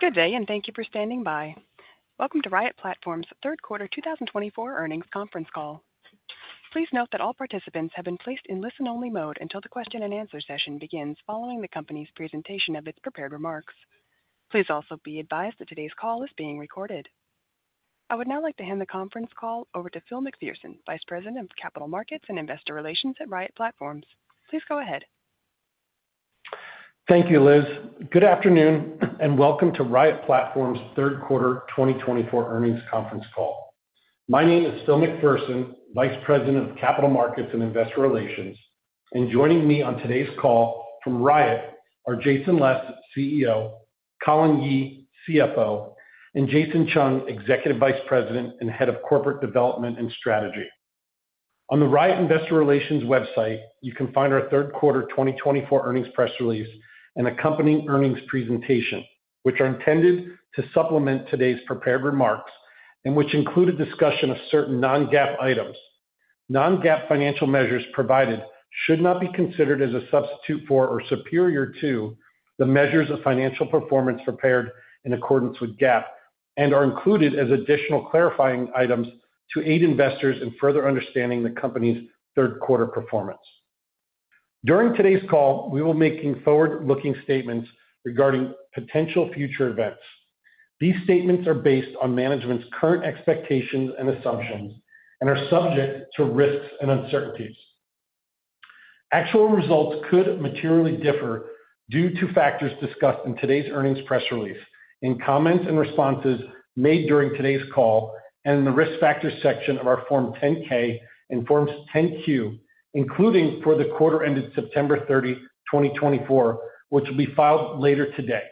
Good day, and thank you for standing by. Welcome to Riot Platforms' third quarter 2024 earnings conference call. Please note that all participants have been placed in listen-only mode until the question-and-answer session begins following the company's presentation of its prepared remarks. Please also be advised that today's call is being recorded. I would now like to hand the conference call over to Phil McPherson, Vice President of Capital Markets and Investor Relations at Riot Platforms. Please go ahead. Thank you, Liz. Good afternoon, and welcome to Riot Platforms' third quarter 2024 earnings conference call. My name is Phil McPherson, Vice President of Capital Markets and Investor Relations, and joining me on today's call from Riot are Jason Les, CEO, Colin Yee, CFO, and Jason Chung, Executive Vice President and Head of Corporate Development and Strategy. On the Riot Investor Relations website, you can find our third quarter 2024 earnings press release and accompanying earnings presentation, which are intended to supplement today's prepared remarks and which include a discussion of certain non-GAAP items. Non-GAAP financial measures provided should not be considered as a substitute for or superior to the measures of financial performance prepared in accordance with GAAP and are included as additional clarifying items to aid investors in further understanding the company's third quarter performance. During today's call, we will be making forward-looking statements regarding potential future events. These statements are based on management's current expectations and assumptions and are subject to risks and uncertainties. Actual results could materially differ due to factors discussed in today's earnings press release, in comments and responses made during today's call, and in the risk factors section of our Form 10-K and Form 10-Q, including for the quarter ended September 30, 2024, which will be filed later today,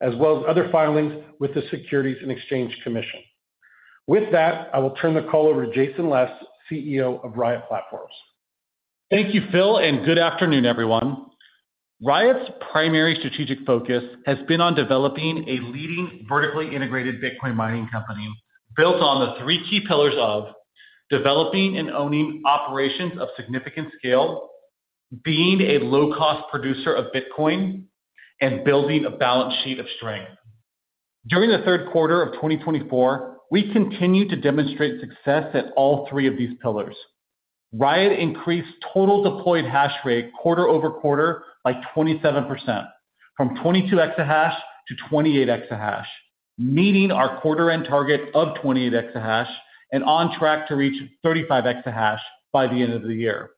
as well as other filings with the Securities and Exchange Commission. With that, I will turn the call over to Jason Les, CEO of Riot Platforms. Thank you, Phil, and good afternoon, everyone. Riot's primary strategic focus has been on developing a leading vertically integrated Bitcoin mining company built on the three key pillars of developing and owning operations of significant scale, being a low-cost producer of Bitcoin, and building a balance sheet of strength. During the third quarter of 2024, we continue to demonstrate success at all three of these pillars. Riot increased total deployed hash rate quarter-over-quarter by 27%, from 22 exahash to 28 exahash, meeting our quarter-end target of 28 exahash and on track to reach 35 exahash by the end of the year.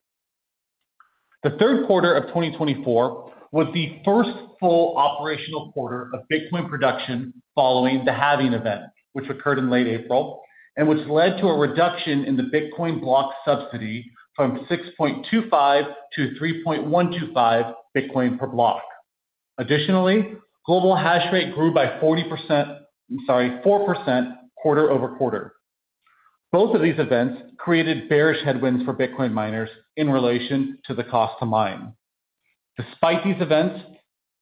The third quarter of 2024 was the first full operational quarter of Bitcoin production following the halving event, which occurred in late April, and which led to a reduction in the Bitcoin block subsidy from 6.25 to 3.125 Bitcoin per block. Additionally, global hash rate grew by 40%, I'm sorry, 4% quarter-over-quarter. Both of these events created bearish headwinds for Bitcoin miners in relation to the cost to mine. Despite these events,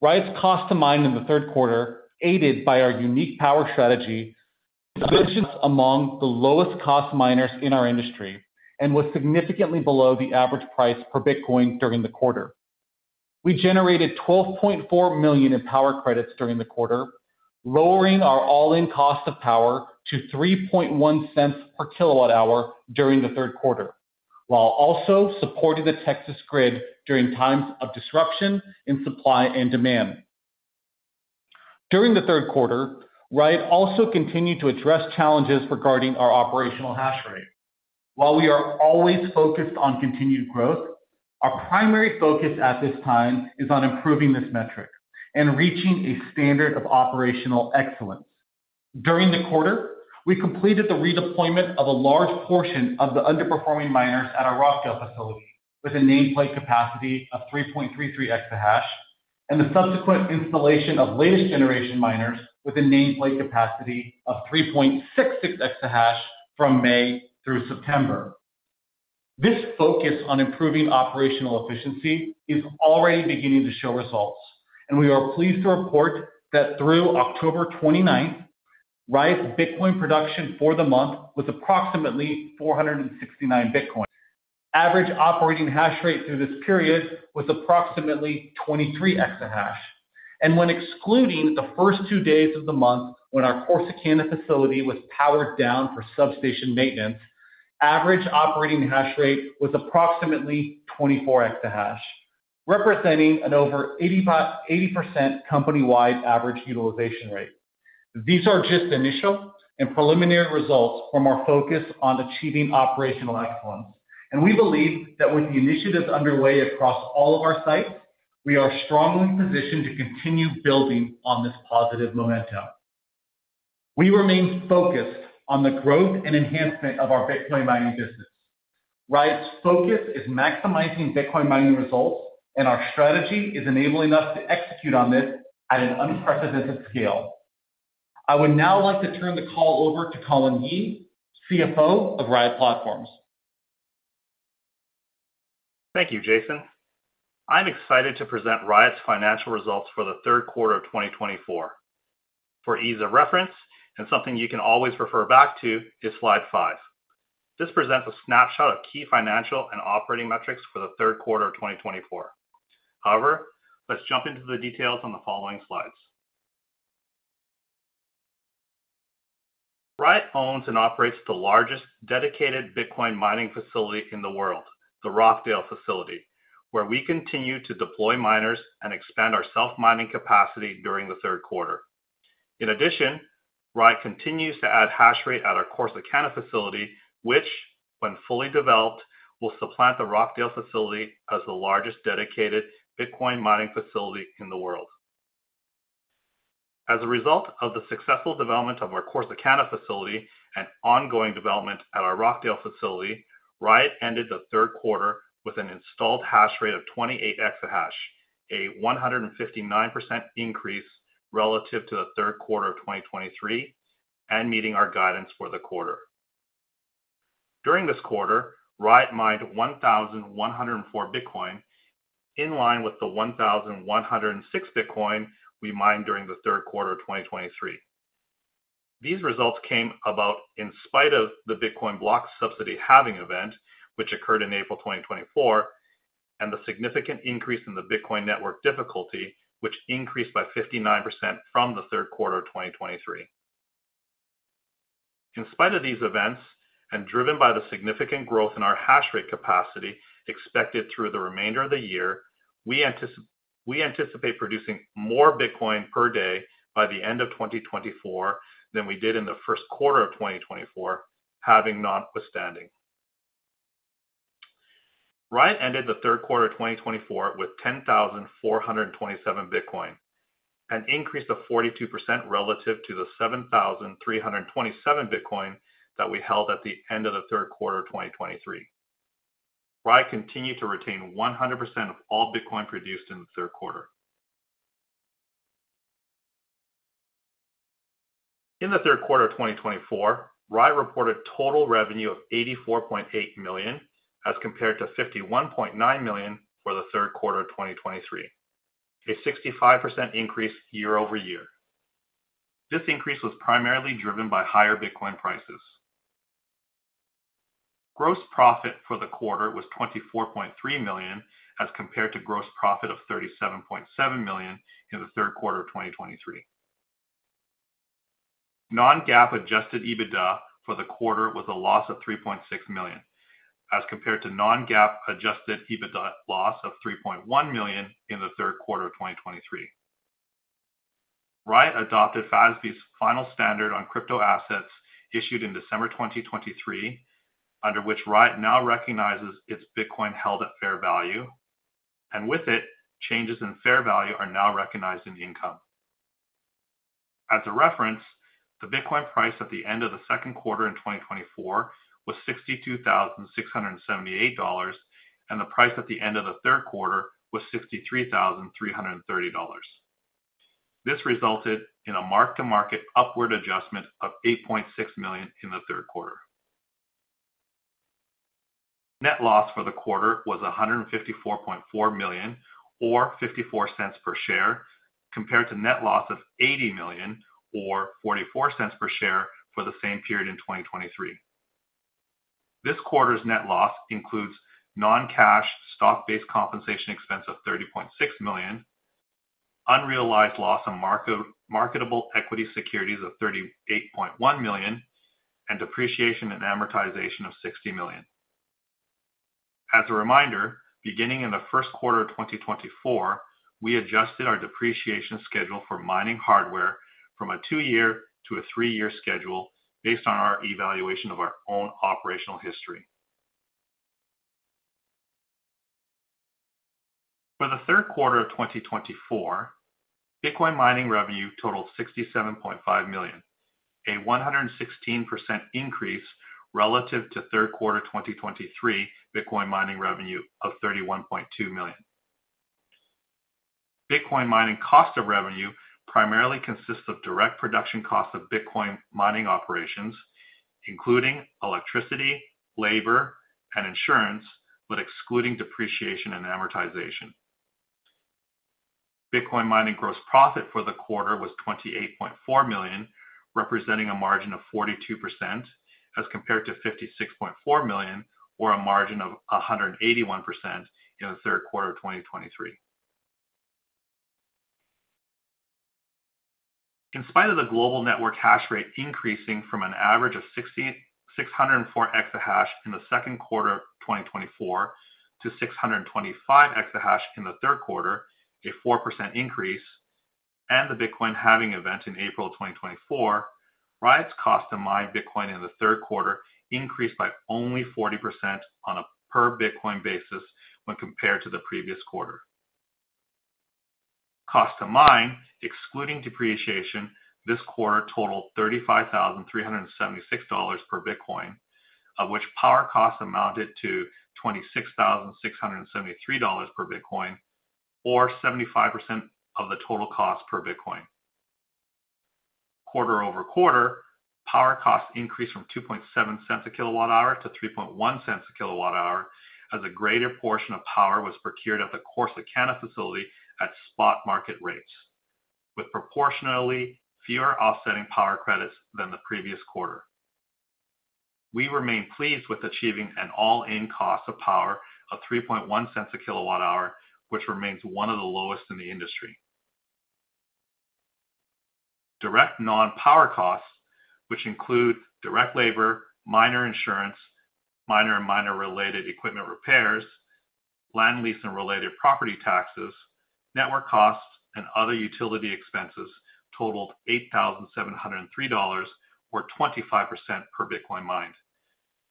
Riot's cost to mine in the third quarter, aided by our unique power strategy, positioned us among the lowest-cost miners in our industry and was significantly below the average price per Bitcoin during the quarter. We generated $12.4 million in power credits during the quarter, lowering our all-in cost of power to $0.031 per kilowatt-hour during the third quarter, while also supporting the Texas grid during times of disruption in supply and demand. During the third quarter, Riot also continued to address challenges regarding our operational hash rate. While we are always focused on continued growth, our primary focus at this time is on improving this metric and reaching a standard of operational excellence. During the quarter, we completed the redeployment of a large portion of the underperforming miners at our Rockdale facility with a nameplate capacity of 3.33 exahash, and the subsequent installation of latest-generation miners with a nameplate capacity of 3.66 exahash from May through September. This focus on improving operational efficiency is already beginning to show results, and we are pleased to report that through October 29, Riot's Bitcoin production for the month was approximately 469 Bitcoin. Average operating hash rate through this period was approximately 23 exahash, and when excluding the first two days of the month when our Corsicana facility was powered down for substation maintenance, average operating hash rate was approximately 24 exahash, representing an over 80% company-wide average utilization rate. These are just initial and preliminary results from our focus on achieving operational excellence, and we believe that with the initiatives underway across all of our sites, we are strongly positioned to continue building on this positive momentum. We remain focused on the growth and enhancement of our Bitcoin mining business. Riot's focus is maximizing Bitcoin mining results, and our strategy is enabling us to execute on this at an unprecedented scale. I would now like to turn the call over to Colin Yee, CFO of Riot Platforms. Thank you, Jason. I'm excited to present Riot's financial results for the third quarter of 2024. For ease of reference and something you can always refer back to, is slide five. This presents a snapshot of key financial and operating metrics for the third quarter of 2024. However, let's jump into the details on the following slides. Riot owns and operates the largest dedicated Bitcoin mining facility in the world, the Rockdale facility, where we continue to deploy miners and expand our self-mining capacity during the third quarter. In addition, Riot continues to add hash rate at our Corsicana facility, which, when fully developed, will supplant the Rockdale facility as the largest dedicated Bitcoin mining facility in the world. As a result of the successful development of our Corsicana facility and ongoing development at our Rockdale facility, Riot ended the third quarter with an installed hash rate of 28 exahash, a 159% increase relative to the third quarter of 2023 and meeting our guidance for the quarter. During this quarter, Riot mined 1,104 Bitcoin, in line with the 1,106 Bitcoin we mined during the third quarter of 2023. These results came about in spite of the Bitcoin block subsidy halving event, which occurred in April 2024, and the significant increase in the Bitcoin network difficulty, which increased by 59% from the third quarter of 2023. In spite of these events and driven by the significant growth in our hash rate capacity expected through the remainder of the year, we anticipate producing more Bitcoin per day by the end of 2024 than we did in the first quarter of 2024, notwithstanding. Riot ended the third quarter of 2024 with 10,427 Bitcoin, an increase of 42% relative to the 7,327 Bitcoin that we held at the end of the third quarter of 2023. Riot continued to retain 100% of all Bitcoin produced in the third quarter. In the third quarter of 2024, Riot reported total revenue of $84.8 million as compared to $51.9 million for the third quarter of 2023, a 65% increase year-over-year. This increase was primarily driven by higher Bitcoin prices. Gross profit for the quarter was $24.3 million as compared to gross profit of $37.7 million in the third quarter of 2023. Non-GAAP adjusted EBITDA for the quarter was a loss of $3.6 million as compared to non-GAAP adjusted EBITDA loss of $3.1 million in the third quarter of 2023. Riot adopted FASB's final standard on crypto assets issued in December 2023, under which Riot now recognizes its Bitcoin held at fair value, and with it, changes in fair value are now recognized in income. As a reference, the Bitcoin price at the end of the second quarter in 2024 was $62,678, and the price at the end of the third quarter was $63,330. This resulted in a mark-to-market upward adjustment of $8.6 million in the third quarter. Net loss for the quarter was $154.4 million, or $0.54 per share, compared to net loss of $80 million, or $0.44 per share for the same period in 2023. This quarter's net loss includes non-cash stock-based compensation expense of $30.6 million, unrealized loss of marketable equity securities of $38.1 million, and Depreciation and Amortization of $60 million. As a reminder, beginning in the first quarter of 2024, we adjusted our depreciation schedule for mining hardware from a two-year to a three-year schedule based on our evaluation of our own operational history. For the third quarter of 2024, Bitcoin mining revenue totaled $67.5 million, a 116% increase relative to third quarter 2023 Bitcoin mining revenue of $31.2 million. Bitcoin mining cost of revenue primarily consists of direct production costs of Bitcoin mining operations, including electricity, labor, and insurance, but excluding Depreciation and Amortization. Bitcoin mining gross profit for the quarter was $28.4 million, representing a margin of 42% as compared to $56.4 million, or a margin of 181% in the third quarter of 2023. In spite of the global network hash rate increasing from an average of 604 exahash in the second quarter of 2024 to 625 exahash in the third quarter, a 4% increase, and the Bitcoin halving event in April 2024, Riot's cost to mine Bitcoin in the third quarter increased by only 40% on a per Bitcoin basis when compared to the previous quarter. Cost to mine, excluding depreciation, this quarter totaled $35,376 per Bitcoin, of which power costs amounted to $26,673 per Bitcoin, or 75% of the total cost per Bitcoin. Quarter-over-quarter, power costs increased from $0.027 a kilowatt-hour to $0.031 a kilowatt-hour as a greater portion of power was procured at the Corsicana facility at spot market rates, with proportionally fewer offsetting power credits than the previous quarter. We remain pleased with achieving an all-in cost of power of $0.031 a kilowatt-hour, which remains one of the lowest in the industry. Direct non-power costs, which include direct labor, miner insurance, miner and miner-related equipment repairs, land lease and related property taxes, network costs, and other utility expenses, totaled $8,703, or 25% per Bitcoin mined,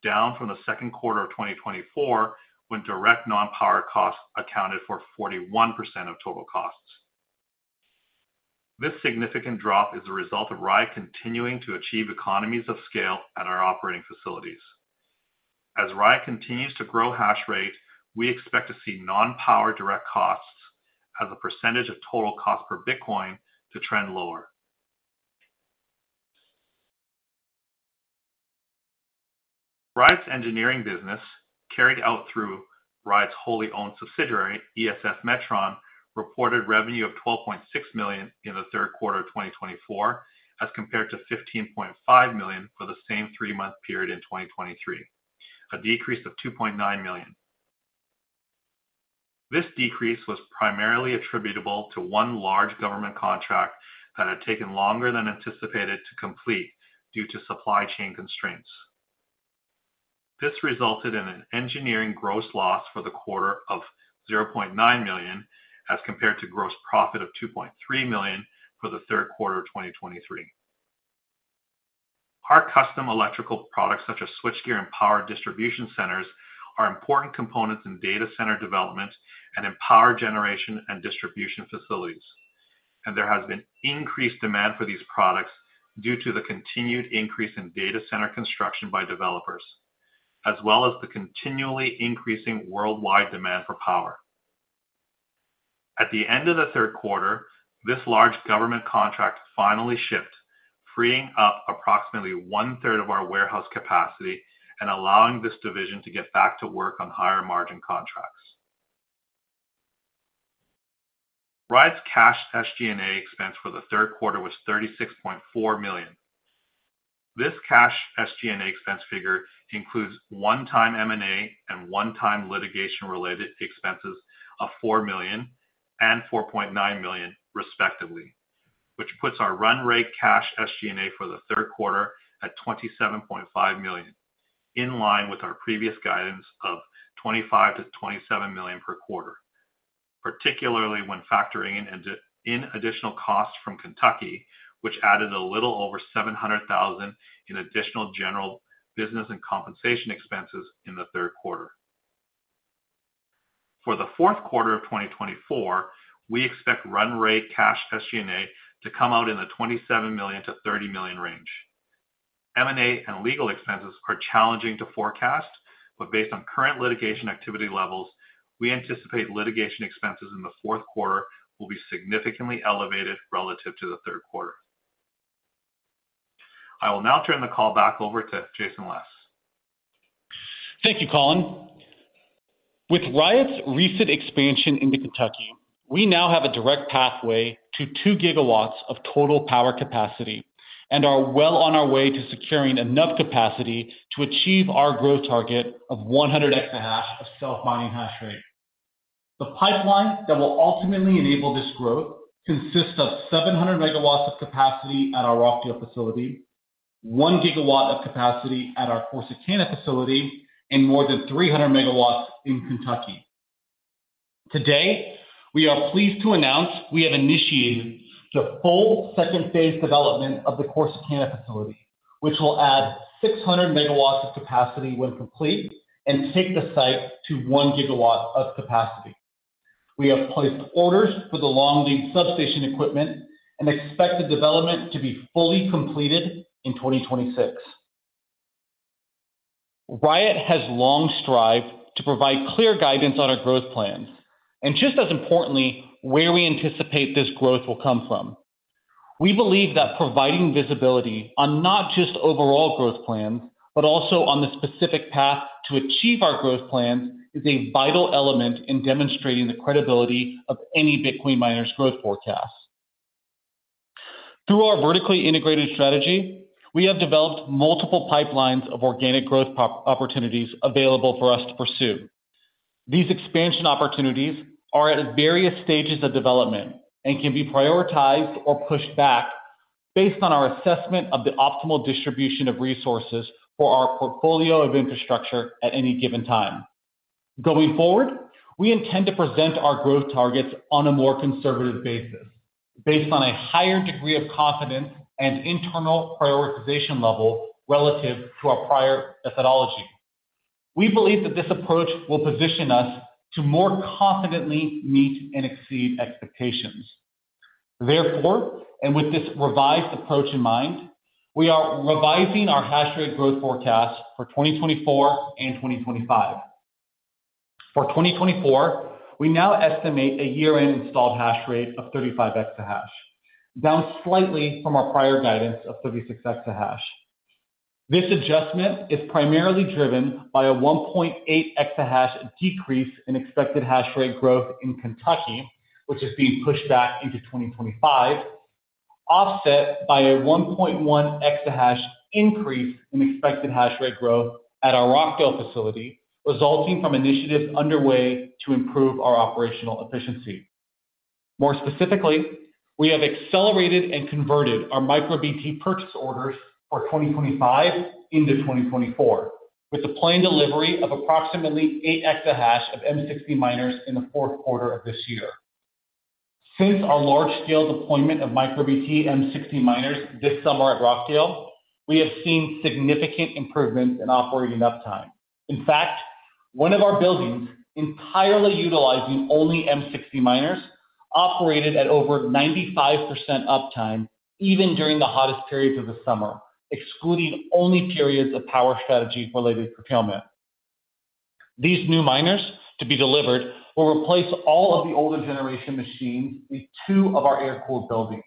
down from the second quarter of 2024 when direct non-power costs accounted for 41% of total costs. This significant drop is the result of Riot continuing to achieve economies of scale at our operating facilities. As Riot continues to grow hash rate, we expect to see non-power direct costs as a percentage of total cost per Bitcoin to trend lower. Riot's engineering business, carried out through Riot's wholly owned subsidiary, ESS Metron, reported revenue of $12.6 million in the third quarter of 2024 as compared to $15.5 million for the same three-month period in 2023, a decrease of $2.9 million. This decrease was primarily attributable to one large government contract that had taken longer than anticipated to complete due to supply chain constraints. This resulted in an engineering gross loss for the quarter of $0.9 million as compared to gross profit of $2.3 million for the third quarter of 2023. Our custom electrical products such as switchgear and power distribution centers are important components in data center development and in power generation and distribution facilities, and there has been increased demand for these products due to the continued increase in data center construction by developers, as well as the continually increasing worldwide demand for power. At the end of the third quarter, this large government contract finally shipped, freeing up approximately one-third of our warehouse capacity and allowing this division to get back to work on higher margin contracts. Riot's cash SG&A expense for the third quarter was $36.4 million. This cash SG&A expense figure includes one-time M&A and one-time litigation-related expenses of $4 million and $4.9 million, respectively, which puts our run rate cash SG&A for the third quarter at $27.5 million, in line with our previous guidance of $25 million-$27 million per quarter, particularly when factoring in additional costs from Kentucky, which added a little over $700,000 in additional general business and compensation expenses in the third quarter. For the fourth quarter of 2024, we expect run rate cash SG&A to come out in the $27-$30 million range. M&A and legal expenses are challenging to forecast, but based on current litigation activity levels, we anticipate litigation expenses in the fourth quarter will be significantly elevated relative to the third quarter. I will now turn the call back over to Jason Les. Thank you, Colin. With Riot's recent expansion into Kentucky, we now have a direct pathway to 2 GW of total power capacity and are well on our way to securing enough capacity to achieve our growth target of 100 exahash of self-mining hash rate. The pipeline that will ultimately enable this growth consists of 700 MW of capacity at our Rockdale facility, 1 GW of capacity at our Corsicana facility, and more than 300 MW in Kentucky. Today, we are pleased to announce we have initiated the full second phase development of the Corsicana facility, which will add 600 MW of capacity when complete and take the site to 1 GW of capacity. We have placed orders for the long-lead substation equipment and expect the development to be fully completed in 2026. Riot has long strived to provide clear guidance on our growth plans and, just as importantly, where we anticipate this growth will come from. We believe that providing visibility on not just overall growth plans, but also on the specific path to achieve our growth plans is a vital element in demonstrating the credibility of any Bitcoin miner's growth forecast. Through our vertically integrated strategy, we have developed multiple pipelines of organic growth opportunities available for us to pursue. These expansion opportunities are at various stages of development and can be prioritized or pushed back based on our assessment of the optimal distribution of resources for our portfolio of infrastructure at any given time. Going forward, we intend to present our growth targets on a more conservative basis, based on a higher degree of confidence and internal prioritization level relative to our prior methodology. We believe that this approach will position us to more confidently meet and exceed expectations. Therefore, and with this revised approach in mind, we are revising our hash rate growth forecast for 2024 and 2025. For 2024, we now estimate a year-end installed hash rate of 35 exahash, down slightly from our prior guidance of 36 exahash. This adjustment is primarily driven by a 1.8 exahash decrease in expected hash rate growth in Kentucky, which is being pushed back into 2025, offset by a 1.1 exahash increase in expected hash rate growth at our Rockdale facility, resulting from initiatives underway to improve our operational efficiency. More specifically, we have accelerated and converted our MicroBT purchase orders for 2025 into 2024, with the planned delivery of approximately 8 exahash of M60 miners in the fourth quarter of this year. Since our large-scale deployment of MicroBT M60 miners this summer at Rockdale, we have seen significant improvements in operating uptime. In fact, one of our buildings entirely utilizing only M60 miners operated at over 95% uptime even during the hottest periods of the summer, excluding only periods of power strategy-related procurement. These new miners to be delivered will replace all of the older generation machines in two of our air-cooled buildings,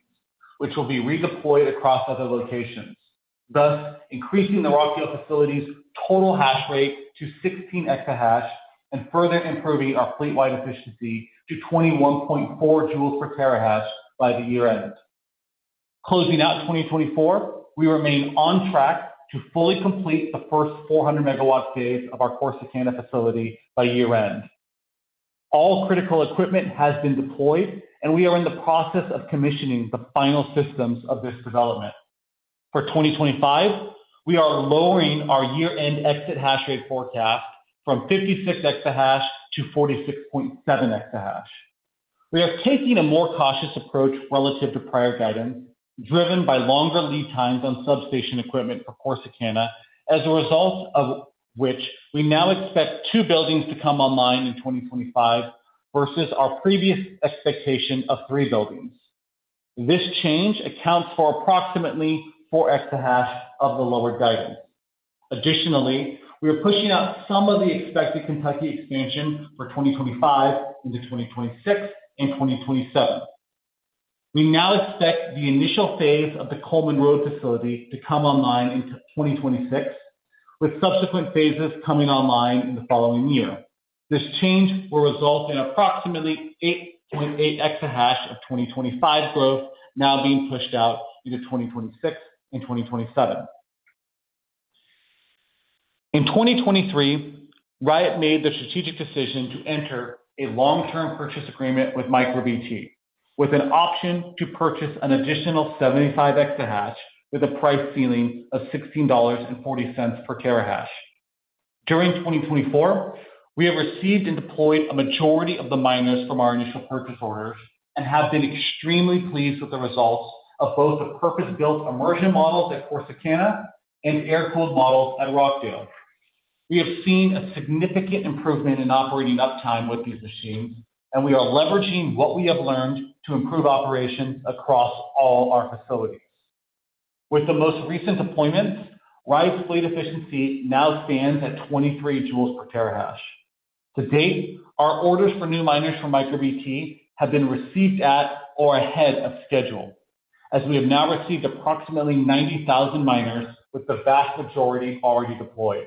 which will be redeployed across other locations, thus increasing the Rockdale facility's total hash rate to 16 exahash and further improving our fleet-wide efficiency to 21.4 joules per terahash by the year-end. Closing out 2024, we remain on track to fully complete the first 400 MW phase of our Corsicana facility by year-end. All critical equipment has been deployed, and we are in the process of commissioning the final systems of this development. For 2025, we are lowering our year-end exit hash rate forecast from 56 exahash to 46.7 exahash. We are taking a more cautious approach relative to prior guidance, driven by longer lead times on substation equipment for Corsicana, as a result of which we now expect two buildings to come online in 2025 versus our previous expectation of three buildings. This change accounts for approximately 4 exahash of the lowered guidance. Additionally, we are pushing out some of the expected Kentucky expansion for 2025 into 2026 and 2027. We now expect the initial phase of the Coleman Road facility to come online in 2026, with subsequent phases coming online in the following year. This change will result in approximately 8.8 exahash of 2025 growth now being pushed out into 2026 and 2027. In 2023, Riot made the strategic decision to enter a long-term purchase agreement with MicroBT, with an option to purchase an additional 75 exahash with a price ceiling of $16.40 per terahash. During 2024, we have received and deployed a majority of the miners from our initial purchase orders and have been extremely pleased with the results of both the purpose-built immersion models at Corsicana and air-cooled models at Rockdale. We have seen a significant improvement in operating uptime with these machines, and we are leveraging what we have learned to improve operations across all our facilities. With the most recent deployments, Riot's fleet efficiency now stands at 23 joules per terahash. To date, our orders for new miners from MicroBT have been received at or ahead of schedule, as we have now received approximately 90,000 miners, with the vast majority already deployed.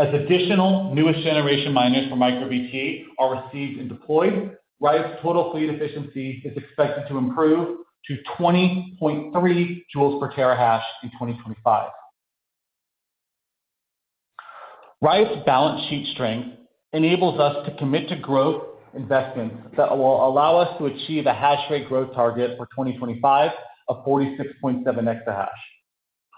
As additional newest generation miners for MicroBT are received and deployed, Riot's total fleet efficiency is expected to improve to 20.3 joules per terahash in 2025. Riot's balance sheet strength enables us to commit to growth investments that will allow us to achieve a hash rate growth target for 2025 of 46.7 exahash.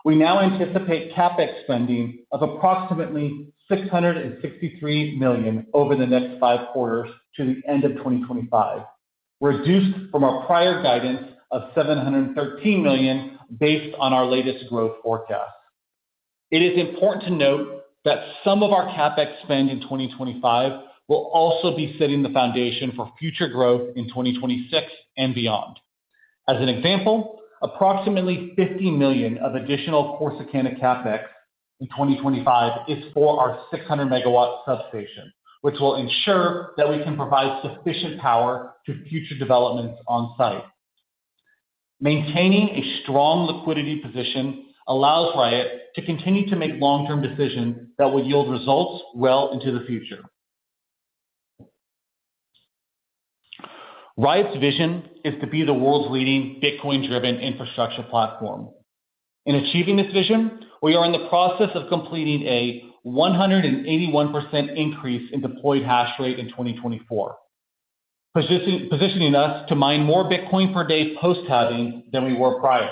We now anticipate CapEx spending of approximately $663 million over the next five quarters to the end of 2025, reduced from our prior guidance of $713 million based on our latest growth forecast. It is important to note that some of our CapEx spend in 2025 will also be setting the foundation for future growth in 2026 and beyond. As an example, approximately $50 million of additional Corsicana CapEx in 2025 is for our 600 MW substation, which will ensure that we can provide sufficient power to future developments on-site. Maintaining a strong liquidity position allows Riot to continue to make long-term decisions that will yield results well into the future. Riot's vision is to be the world's leading Bitcoin-driven infrastructure platform. In achieving this vision, we are in the process of completing a 181% increase in deployed hash rate in 2024, positioning us to mine more Bitcoin per day post-halving than we were prior.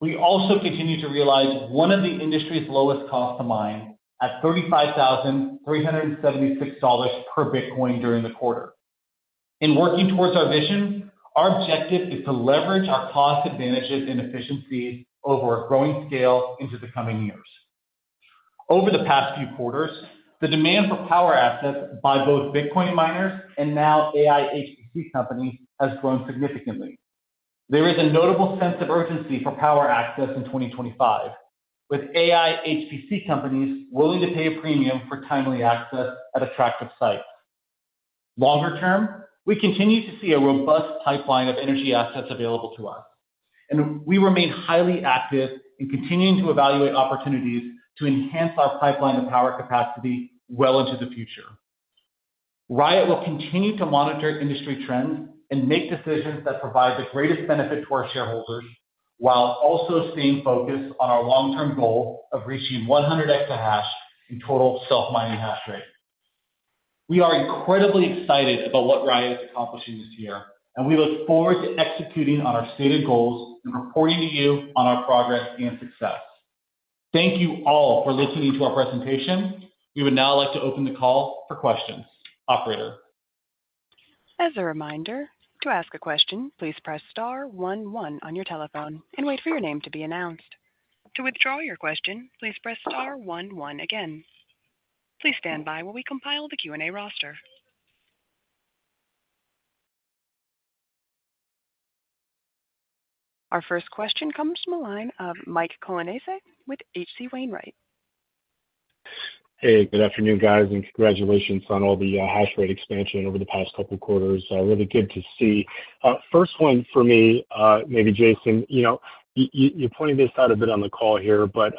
We also continue to realize one of the industry's lowest costs to mine at $35,376 per Bitcoin during the quarter. In working towards our vision, our objective is to leverage our cost advantages and efficiencies over a growing scale into the coming years. Over the past few quarters, the demand for power assets by both Bitcoin miners and now AI HPC companies has grown significantly. There is a notable sense of urgency for power access in 2025, with AI HPC companies willing to pay a premium for timely access at attractive sites. Longer term, we continue to see a robust pipeline of energy assets available to us, and we remain highly active in continuing to evaluate opportunities to enhance our pipeline of power capacity well into the future. Riot will continue to monitor industry trends and make decisions that provide the greatest benefit to our shareholders while also staying focused on our long-term goal of reaching 100 exahash in total self-mining hash rate. We are incredibly excited about what Riot is accomplishing this year, and we look forward to executing on our stated goals and reporting to you on our progress and success. Thank you all for listening to our presentation. We would now like to open the call for questions. Operator. As a reminder, to ask a question, please press star one one on your telephone and wait for your name to be announced. To withdraw your question, please press star one one again. Please stand by while we compile the Q&A roster. Our first question comes from a line of Mike Colonnese with H.C. Wainwright. Hey, good afternoon, guys, and congratulations on all the hash rate expansion over the past couple of quarters. Really good to see. First question for me, maybe Jason. You know you're pointing this out a bit on the call here, but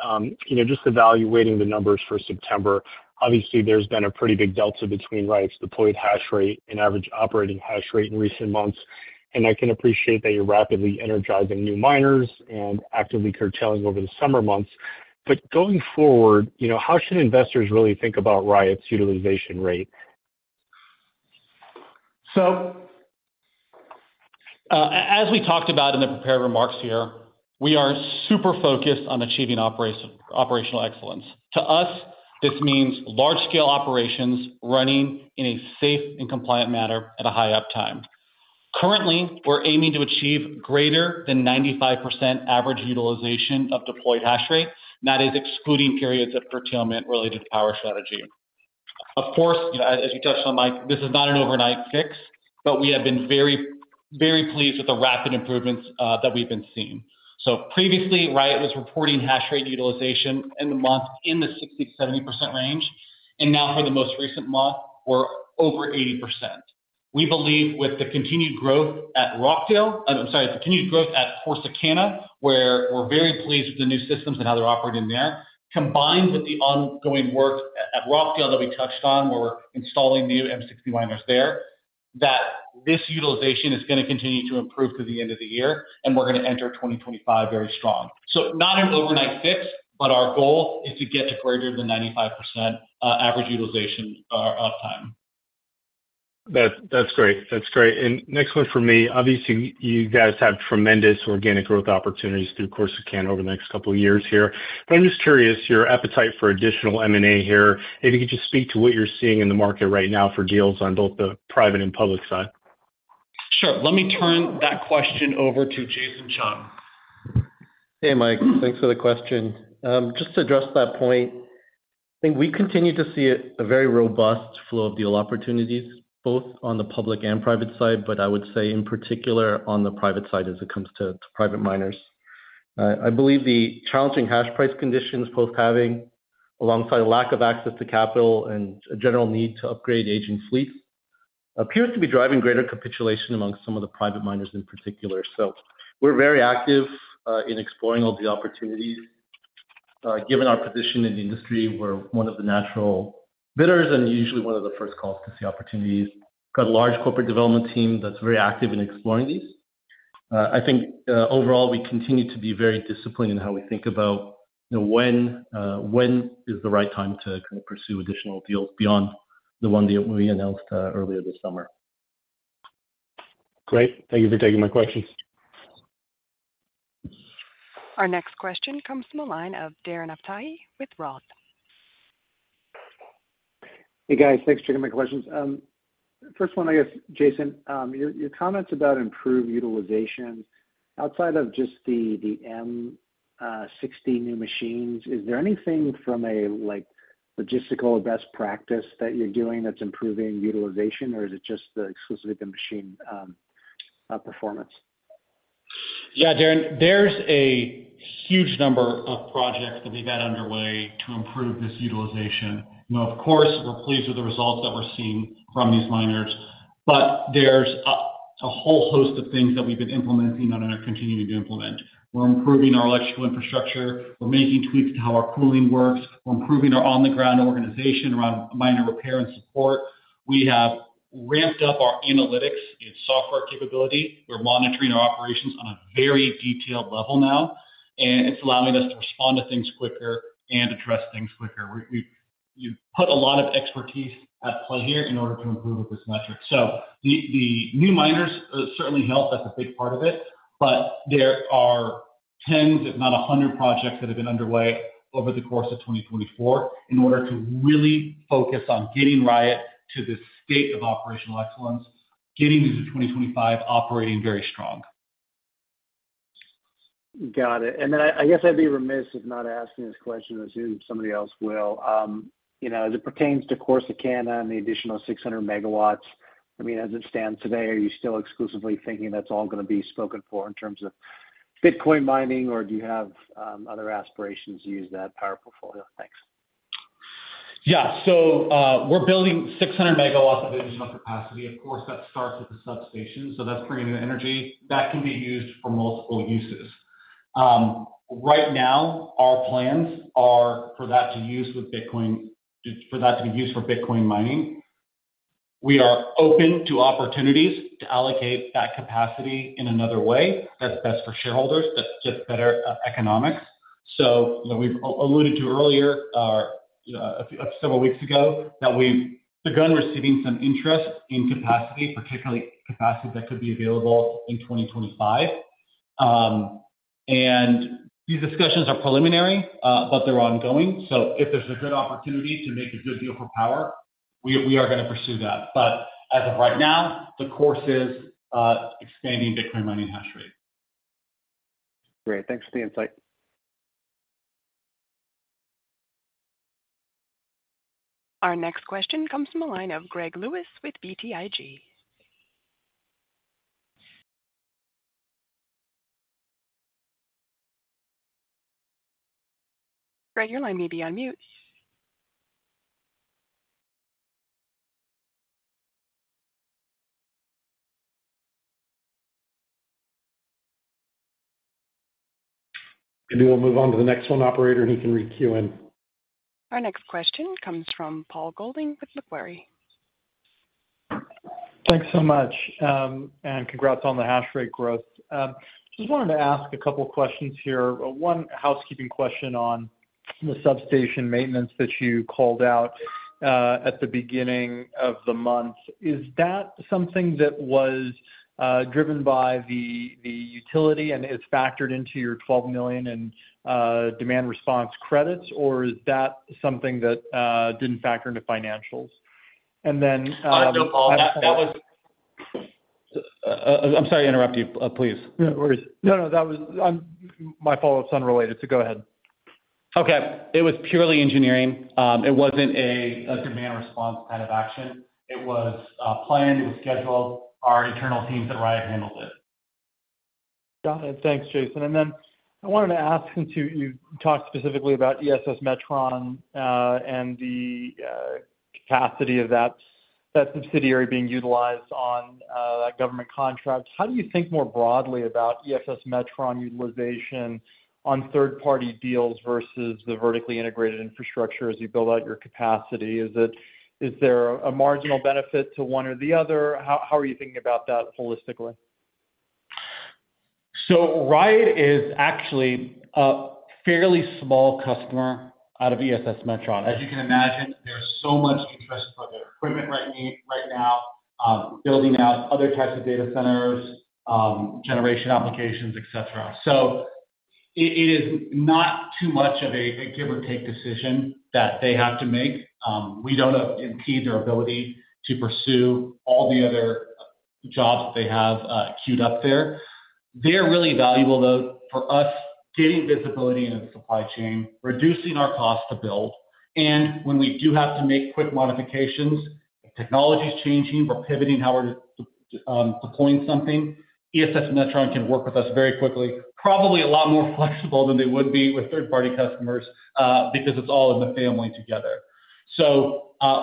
you know, just evaluating the numbers for September, obviously there's been a pretty big delta between Riot's deployed hash rate and average operating hash rate in recent months. And I can appreciate that you're rapidly energizing new miners and actively curtailing over the summer months. But going forward, you know, how should investors really think about Riot's utilization rate? As we talked about in the prepared remarks here, we are super focused on achieving operational excellence. To us, this means large-scale operations running in a safe and compliant manner at a high uptime. Currently, we're aiming to achieve greater than 95% average utilization of deployed hash rate, and that is excluding periods of curtailment related to power strategy. Of course, as you touched on, Mike, this is not an overnight fix, but we have been very, very pleased with the rapid improvements that we've been seeing. Previously, Riot was reporting hash rate utilization in the month in the 60%-70% range, and now for the most recent month, we're over 80%. We believe with the continued growth at Rockdale, I'm sorry, continued growth at Corsicana, where we're very pleased with the new systems and how they're operating there, combined with the ongoing work at Rockdale that we touched on, where we're installing new M60 miners there, that this utilization is going to continue to improve to the end of the year, and we're going to enter 2025 very strong. So not an overnight fix, but our goal is to get to greater than 95% average utilization uptime. That's great. That's great. And next one for me, obviously you guys have tremendous organic growth opportunities through Corsicana over the next couple of years here. But I'm just curious your appetite for additional M&A here, if you could just speak to what you're seeing in the market right now for deals on both the private and public side. Sure. Let me turn that question over to Jason Chung. Hey, Mike. Thanks for the question. Just to address that point, I think we continue to see a very robust flow of deal opportunities, both on the public and private side, but I would say in particular on the private side as it comes to private miners. I believe the challenging hash price conditions post-halving, alongside a lack of access to capital and a general need to upgrade aging fleets, appears to be driving greater capitulation among some of the private miners in particular. So we're very active in exploring all the opportunities. Given our position in the industry, we're one of the natural bidders and usually one of the first calls to see opportunities. We've got a large corporate development team that's very active in exploring these. I think overall, we continue to be very disciplined in how we think about when is the right time to pursue additional deals beyond the one that we announced earlier this summer. Great. Thank you for taking my questions. Our next question comes from a line of Darren Aftahi with ROTH. Hey, guys. Thanks for taking my questions. First one, I guess, Jason, your comments about improved utilization, outside of just the M60 new machines, is there anything from a logistical best practice that you're doing that's improving utilization, or is it just exclusively the machine performance? Yeah, Darren, there's a huge number of projects that we've had underway to improve this utilization. Of course, we're pleased with the results that we're seeing from these miners, but there's a whole host of things that we've been implementing and are continuing to implement. We're improving our electrical infrastructure. We're making tweaks to how our cooling works. We're improving our on-the-ground organization around miner repair and support. We have ramped up our analytics and software capability. We're monitoring our operations on a very detailed level now, and it's allowing us to respond to things quicker and address things quicker. We've put a lot of expertise at play here in order to improve with this metric. So the new miners certainly help. That's a big part of it. But there are tens, if not 100, projects that have been underway over the course of 2024 in order to really focus on getting Riot to this state of operational excellence, getting them to 2025 operating very strong. Got it. And then I guess I'd be remiss if not asking this question assuming somebody else will. As it pertains to Corsicana and the additional 600 MW, I mean, as it stands today, are you still exclusively thinking that's all going to be spoken for in terms of Bitcoin mining, or do you have other aspirations to use that power portfolio? Thanks. Yeah. So we're building 600 MW of additional capacity. Of course, that starts at the substation, so that's bringing in energy that can be used for multiple uses. Right now, our plans are for that to use with Bitcoin, for that to be used for Bitcoin mining. We are open to opportunities to allocate that capacity in another way that's best for shareholders, that's just better economics. So we've alluded to earlier, several weeks ago, that we've begun receiving some interest in capacity, particularly capacity that could be available in 2025. And these discussions are preliminary, but they're ongoing. So if there's a good opportunity to make a good deal for power, we are going to pursue that. But as of right now, the course is expanding Bitcoin mining hash rate. Great. Thanks for the insight. Our next question comes from a line of Greg Lewis with BTIG. Greg, your line may be on mute. And then we'll move on to the next one, Operator, and he can re-queue in. Our next question comes from Paul Golding with Macquarie. Thanks so much, and congrats on the hash rate growth. Just wanted to ask a couple of questions here. One housekeeping question on the substation maintenance that you called out at the beginning of the month. Is that something that was driven by the utility and is factored into your $12 million in demand response credits, or is that something that didn't factor into financials? And then. I'm sorry to interrupt you, please. No worries. No, no. My follow-up's unrelated, so go ahead. Okay. It was purely engineering. It wasn't a demand response kind of action. It was planned. It was scheduled. Our internal teams at Riot handled it. Got it. Thanks, Jason. And then I wanted to ask, since you talked specifically about ESS Metron and the capacity of that subsidiary being utilized on that government contract, how do you think more broadly about ESS Metron utilization on third-party deals versus the vertically integrated infrastructure as you build out your capacity? Is there a marginal benefit to one or the other? How are you thinking about that holistically? Riot is actually a fairly small customer out of ESS Metron. As you can imagine, there's so much interest for their equipment right now, building out other types of data centers, generation applications, etc. It is not too much of a give-or-take decision that they have to make. We don't impede their ability to pursue all the other jobs that they have queued up there. They're really valuable, though, for us getting visibility into the supply chain, reducing our cost to build. When we do have to make quick modifications, technology's changing, we're pivoting how we're deploying something, ESS Metron can work with us very quickly, probably a lot more flexible than they would be with third-party customers because it's all in the family together.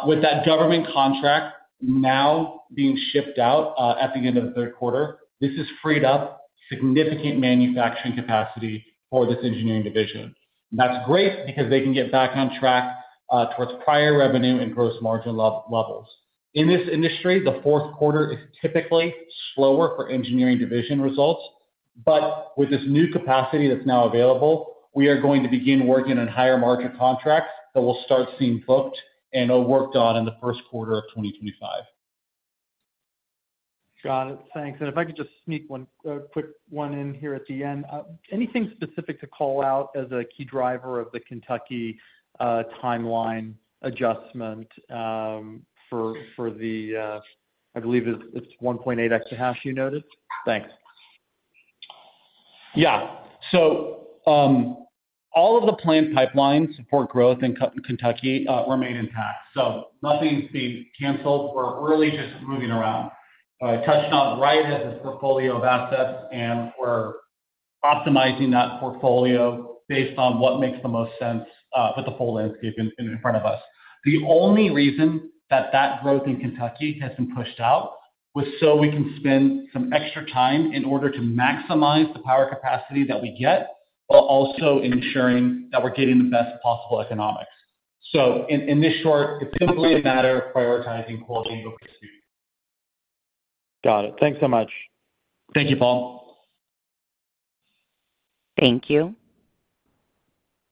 With that government contract now being shipped out at the end of the third quarter, this has freed up significant manufacturing capacity for this engineering division. That's great because they can get back on track towards prior revenue and gross margin levels. In this industry, the fourth quarter is typically slower for engineering division results, but with this new capacity that's now available, we are going to begin working on higher margin contracts that will start seeing booked and are worked on in the first quarter of 2025. Got it. Thanks. And if I could just sneak one quick one in here at the end, anything specific to call out as a key driver of the Kentucky timeline adjustment for the, I believe it's 1.8 exahash you noted? Thanks. Yeah. So all of the planned pipelines for growth in Kentucky remain intact. So nothing's being canceled. We're really just moving around. I touched on Riot has this portfolio of assets, and we're optimizing that portfolio based on what makes the most sense with the full landscape in front of us. The only reason that that growth in Kentucky has been pushed out was so we can spend some extra time in order to maximize the power capacity that we get, while also ensuring that we're getting the best possible economics. So in short, it's simply a matter of prioritizing quality over speed. Got it. Thanks so much. Thank you, Paul. Thank you.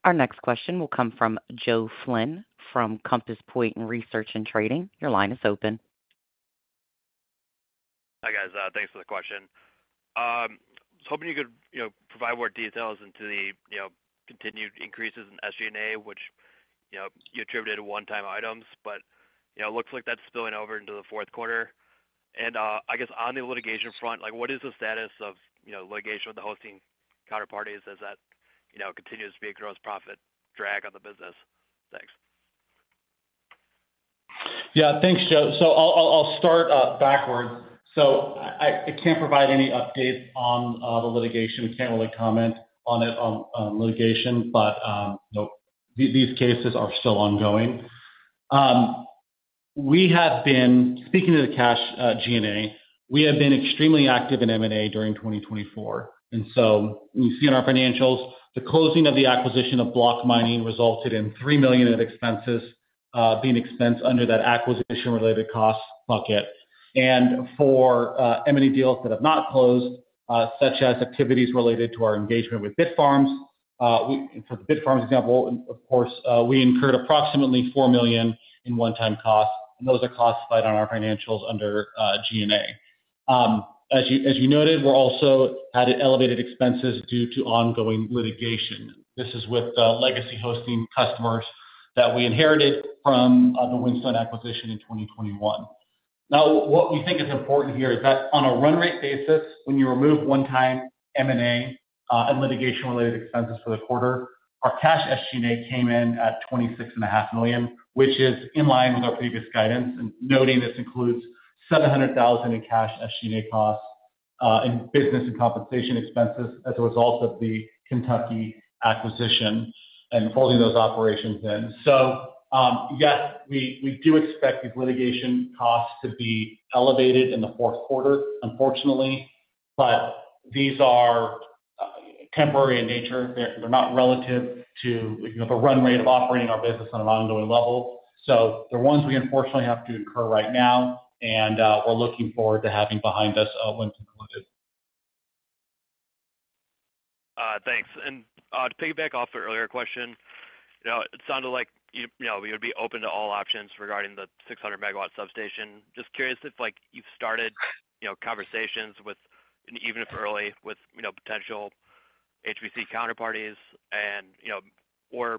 Our next question will come from Joe Flynn from Compass Point Research and Trading. Your line is open. Hi guys. Thanks for the question. I was hoping you could provide more details into the continued increases in SG&A, which you attributed to one-time items, but it looks like that's spilling over into the fourth quarter, and I guess on the litigation front, what is the status of litigation with the hosting counterparties as that continues to be a gross profit drag on the business? Thanks. Yeah. Thanks, Joe. So I'll start backwards. So I can't provide any updates on the litigation. I can't really comment on it on litigation, but these cases are still ongoing. We have been speaking to the SG&A. We have been extremely active in M&A during 2024. And so you see in our financials, the closing of the acquisition of Block Mining resulted in $3 million in expenses being expensed under that acquisition-related cost bucket. And for M&A deals that have not closed, such as activities related to our engagement with Bitfarms, for the Bitfarms example, of course, we incurred approximately $4 million in one-time costs, and those are classified on our financials under SG&A. As you noted, we're also at elevated expenses due to ongoing litigation. This is with the legacy hosting customers that we inherited from the Whinstone acquisition in 2021. Now, what we think is important here is that on a run-rate basis, when you remove one-time M&A and litigation-related expenses for the quarter, our cash SG&A came in at $26.5 million, which is in line with our previous guidance, and noting this includes $700,000 in cash SG&A costs and business and compensation expenses as a result of the Kentucky acquisition and folding those operations in, so yes, we do expect these litigation costs to be elevated in the fourth quarter, unfortunately, but these are temporary in nature. They're not relative to the run-rate of operating our business on an ongoing level, so they're ones we unfortunately have to incur right now, and we're looking forward to having behind us once concluded. Thanks, and to piggyback off the earlier question, it sounded like we would be open to all options regarding the 600 MW substation. Just curious if you've started conversations even if early with potential HPC counterparties, or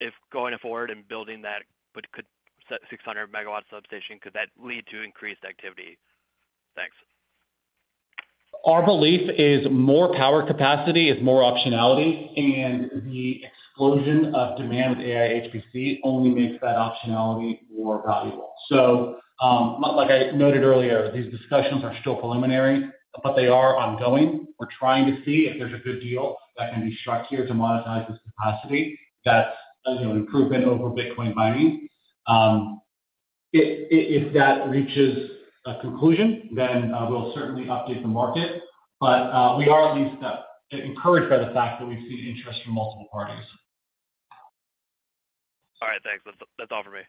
if going forward and building that could set 600 MW substation, could that lead to increased activity? Thanks. Our belief is more power capacity is more optionality, and the explosion of demand with AI/HPC only makes that optionality more valuable. So like I noted earlier, these discussions are still preliminary, but they are ongoing. We're trying to see if there's a good deal that can be struck here to monetize this capacity that's an improvement over Bitcoin mining. If that reaches a conclusion, then we'll certainly update the market, but we are at least encouraged by the fact that we've seen interest from multiple parties. All right. Thanks. That's all for me.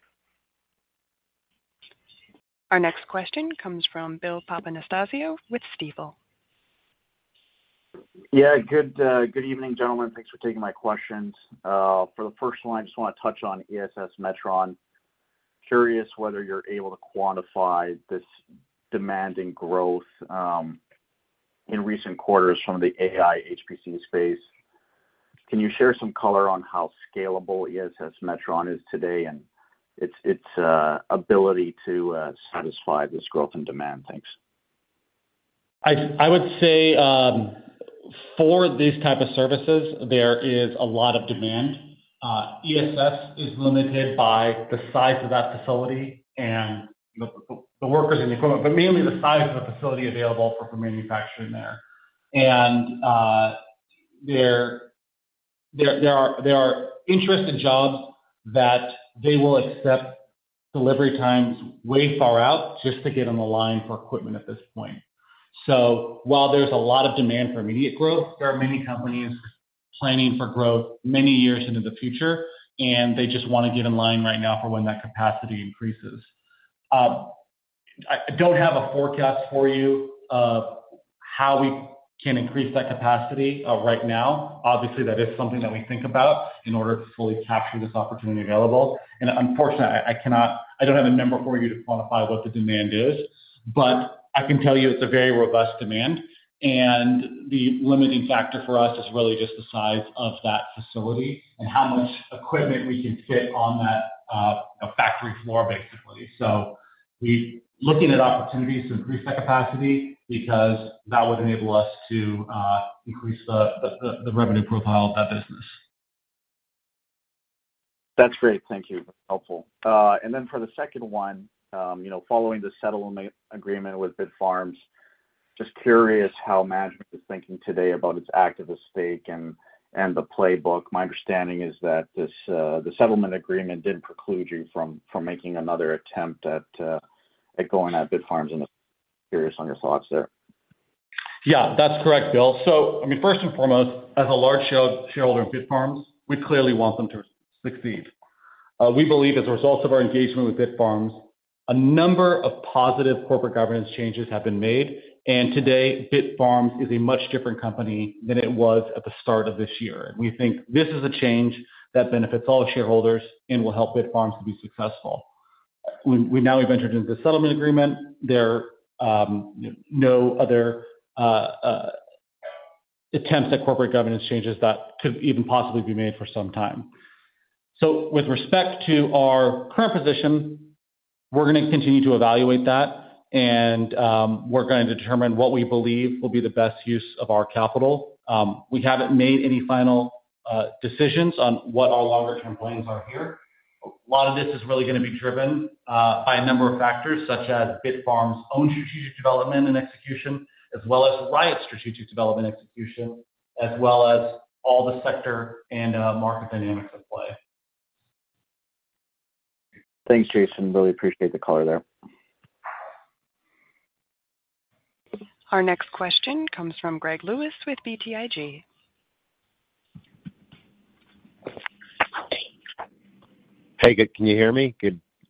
Our next question comes from Bill Papanastasiou with Stifel. Yeah. Good evening, gentlemen. Thanks for taking my questions. For the first one, I just want to touch on ESS Metron. Curious whether you're able to quantify this demanding growth in recent quarters from the AI/HPC space. Can you share some color on how scalable ESS Metron is today and its ability to satisfy this growth in demand? Thanks. I would say for these types of services, there is a lot of demand. ESS is limited by the size of that facility and the workers and the equipment, but mainly the size of the facility available for manufacturing there. And there is interest in jobs that they will accept delivery times way far out just to get in line for equipment at this point. So while there's a lot of demand for immediate growth, there are many companies planning for growth many years into the future, and they just want to get in line right now for when that capacity increases. I don't have a forecast for you of how we can increase that capacity right now. Obviously, that is something that we think about in order to fully capture this opportunity available. Unfortunately, I don't have a number for you to quantify what the demand is, but I can tell you it's a very robust demand. The limiting factor for us is really just the size of that facility and how much equipment we can fit on that factory floor, basically. Looking at opportunities to increase that capacity because that would enable us to increase the revenue profile of that business. That's great. Thank you. That's helpful. And then for the second one, following the settlement agreement with Bitfarms, just curious how management is thinking today about its active estate and the playbook. My understanding is that the settlement agreement did preclude you from making another attempt at going at Bitfarms. I'm curious on your thoughts there. Yeah. That's correct, Bill. So I mean, first and foremost, as a large shareholder of Bitfarms, we clearly want them to succeed. We believe as a result of our engagement with Bitfarms, a number of positive corporate governance changes have been made, and today, Bitfarms is a much different company than it was at the start of this year, and we think this is a change that benefits all shareholders and will help Bitfarms to be successful. Now we've entered into the settlement agreement. There are no other attempts at corporate governance changes that could even possibly be made for some time, so with respect to our current position, we're going to continue to evaluate that, and we're going to determine what we believe will be the best use of our capital. We haven't made any final decisions on what our longer-term plans are here. A lot of this is really going to be driven by a number of factors, such as Bitfarms' own strategic development and execution, as well as Riot's strategic development and execution, as well as all the sector and market dynamics at play. Thanks, Jason. Really appreciate the color there. Our next question comes from Greg Lewis with BTIG. Hey, can you hear me?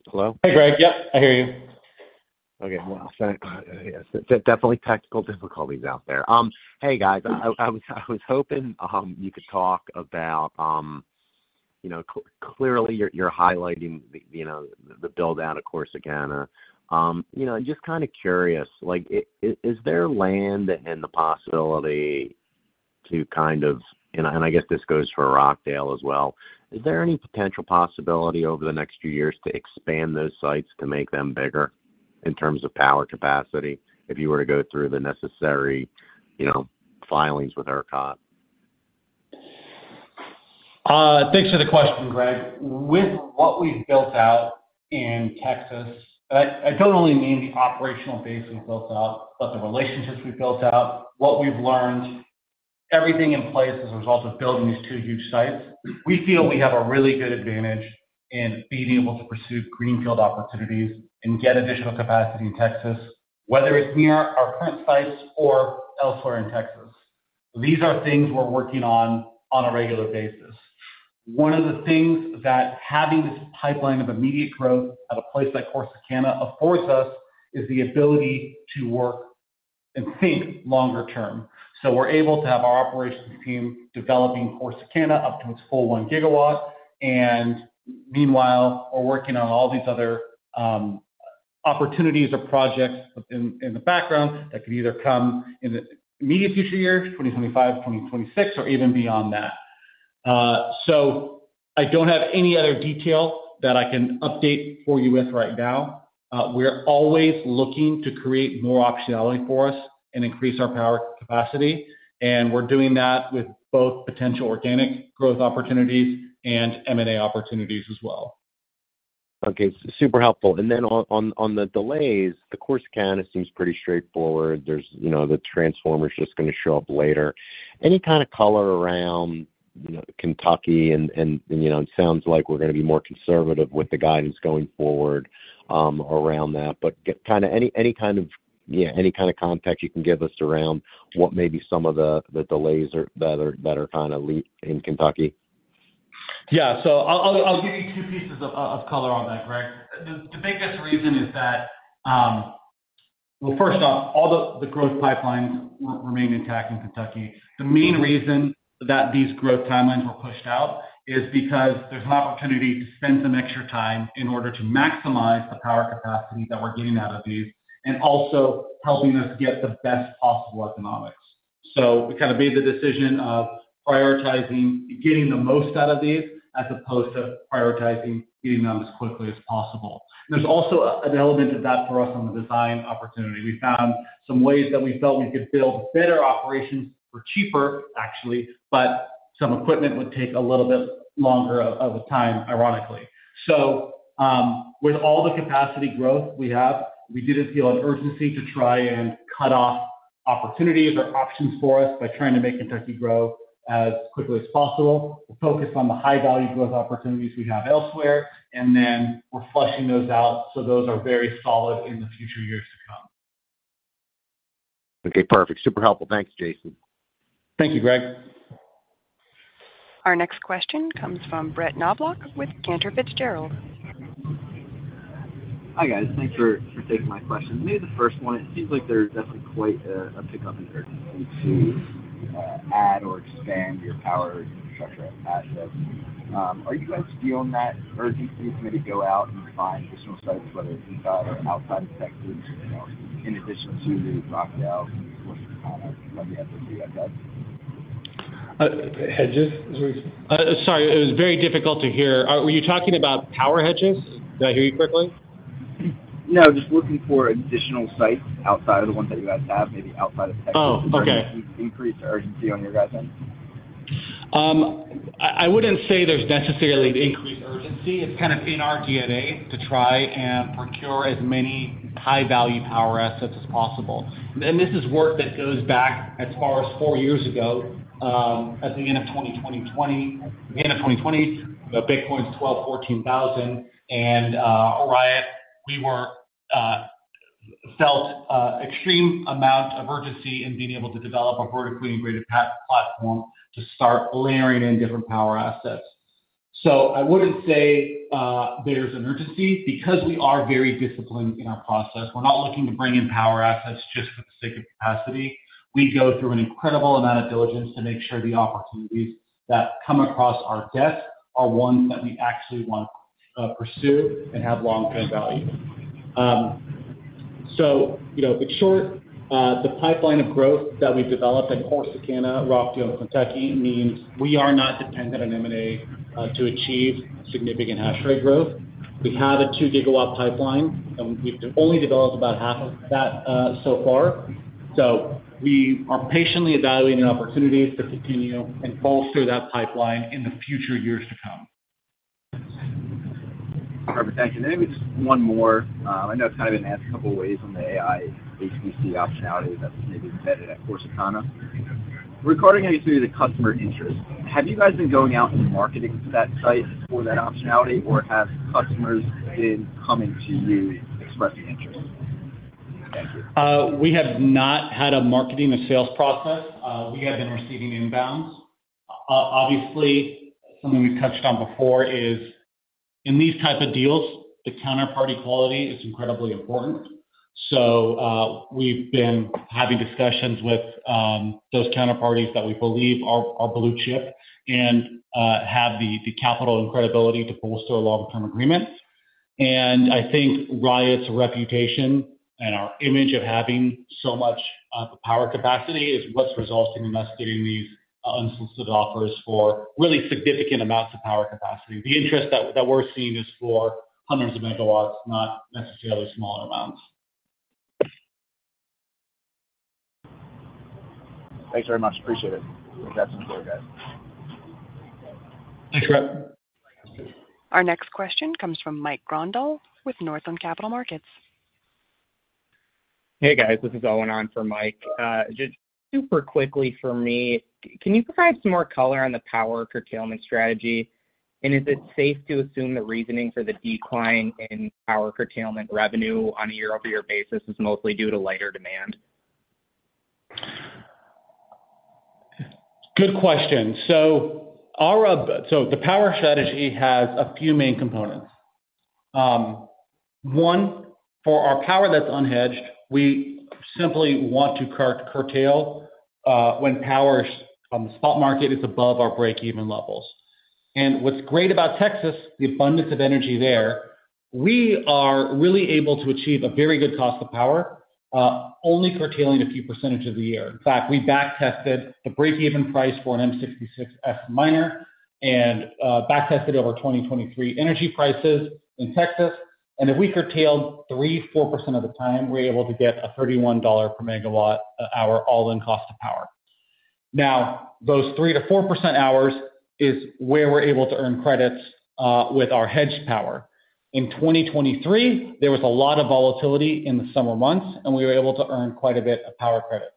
Hello? Hey, Greg. Yep. I hear you. Okay. Well, definitely technical difficulties out there. Hey, guys, I was hoping you could talk about clearly you're highlighting the build-out, of course, again. And just kind of curious, is there land and the possibility to kind of, and I guess this goes for Rockdale as well, is there any potential possibility over the next few years to expand those sites to make them bigger in terms of power capacity if you were to go through the necessary filings with ERCOT? Thanks for the question, Greg. With what we've built out in Texas, and I don't only mean the operational base we've built out, but the relationships we've built out, what we've learned, everything in place as a result of building these two huge sites, we feel we have a really good advantage in being able to pursue greenfield opportunities and get additional capacity in Texas, whether it's near our current sites or elsewhere in Texas. These are things we're working on a regular basis. One of the things that having this pipeline of immediate growth at a place like Corsicana affords us is the ability to work and think longer term. So we're able to have our operations team developing Corsicana up to its full 1 GW. And meanwhile, we're working on all these other opportunities or projects in the background that could either come in the immediate future year, 2025, 2026, or even beyond that. So I don't have any other detail that I can update for you with right now. We're always looking to create more optionality for us and increase our power capacity. And we're doing that with both potential organic growth opportunities and M&A opportunities as well. Okay. Super helpful. And then on the delays, the Corsicana seems pretty straightforward. The transformer's just going to show up later. Any kind of color around Kentucky? And it sounds like we're going to be more conservative with the guidance going forward around that. But kind of any kind of, yeah, any kind of context you can give us around what may be some of the delays that are kind of in Kentucky? Yeah. So I'll give you two pieces of color on that, Greg. The biggest reason is that, well, first off, all the growth pipelines remain intact in Kentucky. The main reason that these growth timelines were pushed out is because there's an opportunity to spend some extra time in order to maximize the power capacity that we're getting out of these and also helping us get the best possible economics. So we kind of made the decision of prioritizing getting the most out of these as opposed to prioritizing getting them as quickly as possible. There's also an element of that for us on the design opportunity. We found some ways that we felt we could build better operations for cheaper, actually, but some equipment would take a little bit longer of a time, ironically. With all the capacity growth we have, we didn't feel an urgency to try and cut off opportunities or options for us by trying to make Kentucky grow as quickly as possible. We're focused on the high-value growth opportunities we have elsewhere, and then we're fleshing those out so those are very solid in the future years to come. Okay. Perfect. Super helpful. Thanks, Jason. Thank you, Greg. Our next question comes from Brett Knoblauch with Cantor Fitzgerald. Hi, guys. Thanks for taking my question. Maybe the first one, it seems like there's definitely quite a pickup in urgency to add or expand your power structure at that. Are you guys feeling that urgency to maybe go out and find additional sites, whether it's inside or outside of Texas, in addition to the Rockdale and Corsicana that we have with you at that? Sorry. It was very difficult to hear. Were you talking about power hedges? Did I hear you correctly? No. Just looking for additional sites outside of the ones that you guys have, maybe outside of Texas. Oh, okay. Would that increase urgency on your guys' end? I wouldn't say there's necessarily increased urgency. It's kind of in our DNA to try and procure as many high-value power assets as possible. And this is work that goes back as far as four years ago, at the end of 2020. At the end of 2020, Bitcoin's $12,000-$14,000. And Riot, we felt an extreme amount of urgency in being able to develop a vertically integrated platform to start layering in different power assets. So I wouldn't say there's an urgency because we are very disciplined in our process. We're not looking to bring in power assets just for the sake of capacity. We go through an incredible amount of diligence to make sure the opportunities that come across our desk are ones that we actually want to pursue and have long-term value. So in short, the pipeline of growth that we've developed at Corsicana, Rockdale, Kentucky means we are not dependent on M&A to achieve significant hash rate growth. We have a 2 GW pipeline, and we've only developed about half of that so far. So we are patiently evaluating opportunities to continue and bolster that pipeline in the future years to come. Perfect. Thank you. Maybe just one more. I know it's kind of been asked a couple of ways on the AI/HPC optionality that's maybe embedded at Corsicana. Regarding anything to the customer interest, have you guys been going out and marketing to that site for that optionality, or have customers been coming to you expressing interest? Thank you. We have not had a marketing or sales process. We have been receiving inbounds. Obviously, something we've touched on before is in these types of deals, the counterparty quality is incredibly important. So we've been having discussions with those counterparties that we believe are blue chip and have the capital and credibility to bolster a long-term agreement. And I think Riot's reputation and our image of having so much power capacity is what's resulting in us getting these unsolicited offers for really significant amounts of power capacity. The interest that we're seeing is for hundreds of megawatts, not necessarily smaller amounts. Thanks very much. Appreciate it. Congrats on the tour, guys. Thanks, Brett. Our next question comes from Mike Grondahl with Northland Capital Markets. Hey, guys. This is Owen on for Mike. Just super quickly for me, can you provide some more color on the power curtailment strategy? And is it safe to assume the reasoning for the decline in power curtailment revenue on a year-over-year basis is mostly due to lighter demand? Good question. So the power strategy has a few main components. One, for our power that's unhedged, we simply want to curtail when power on the spot market is above our break-even levels. And what's great about Texas, the abundance of energy there, we are really able to achieve a very good cost of power, only curtailing a few percent of the year. In fact, we backtested the break-even price for an M66S miner and backtested over 2023 energy prices in Texas. And if we curtailed 3%-4% of the time, we're able to get a $31 per megawatt-hour all-in cost of power. Now, those 3%-4% hours is where we're able to earn credits with our hedged power. In 2023, there was a lot of volatility in the summer months, and we were able to earn quite a bit of power credits.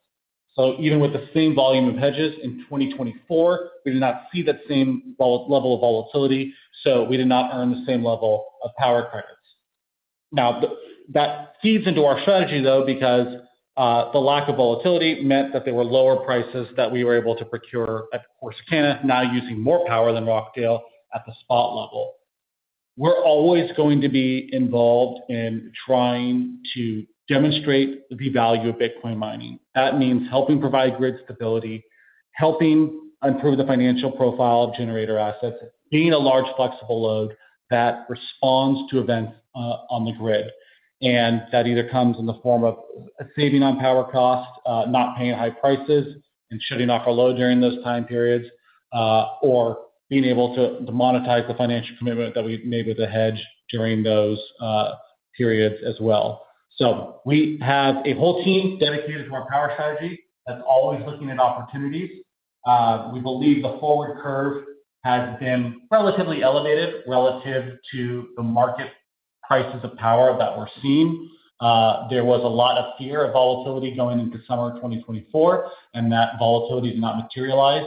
So even with the same volume of hedges in 2024, we did not see that same level of volatility, so we did not earn the same level of power credits. Now, that feeds into our strategy, though, because the lack of volatility meant that there were lower prices that we were able to procure at Corsicana, now using more power than Rockdale at the spot level. We're always going to be involved in trying to demonstrate the value of Bitcoin mining. That means helping provide grid stability, helping improve the financial profile of generator assets, being a large flexible load that responds to events on the grid. And that either comes in the form of saving on power cost, not paying high prices and shutting off our load during those time periods, or being able to monetize the financial commitment that we made with the hedge during those periods as well. So we have a whole team dedicated to our power strategy that's always looking at opportunities. We believe the forward curve has been relatively elevated relative to the market prices of power that we're seeing. There was a lot of fear of volatility going into summer 2024, and that volatility did not materialize.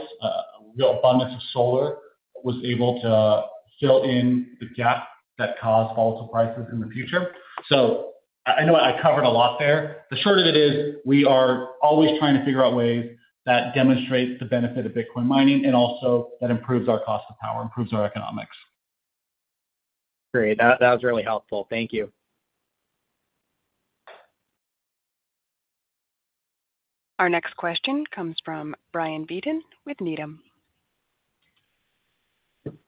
Real abundance of solar was able to fill in the gap that caused volatile prices in the future. So I know I covered a lot there. The short of it is we are always trying to figure out ways that demonstrate the benefit of Bitcoin mining and also that improves our cost of power, improves our economics. Great. That was really helpful. Thank you. Our next question comes from Brian Vieten with Needham.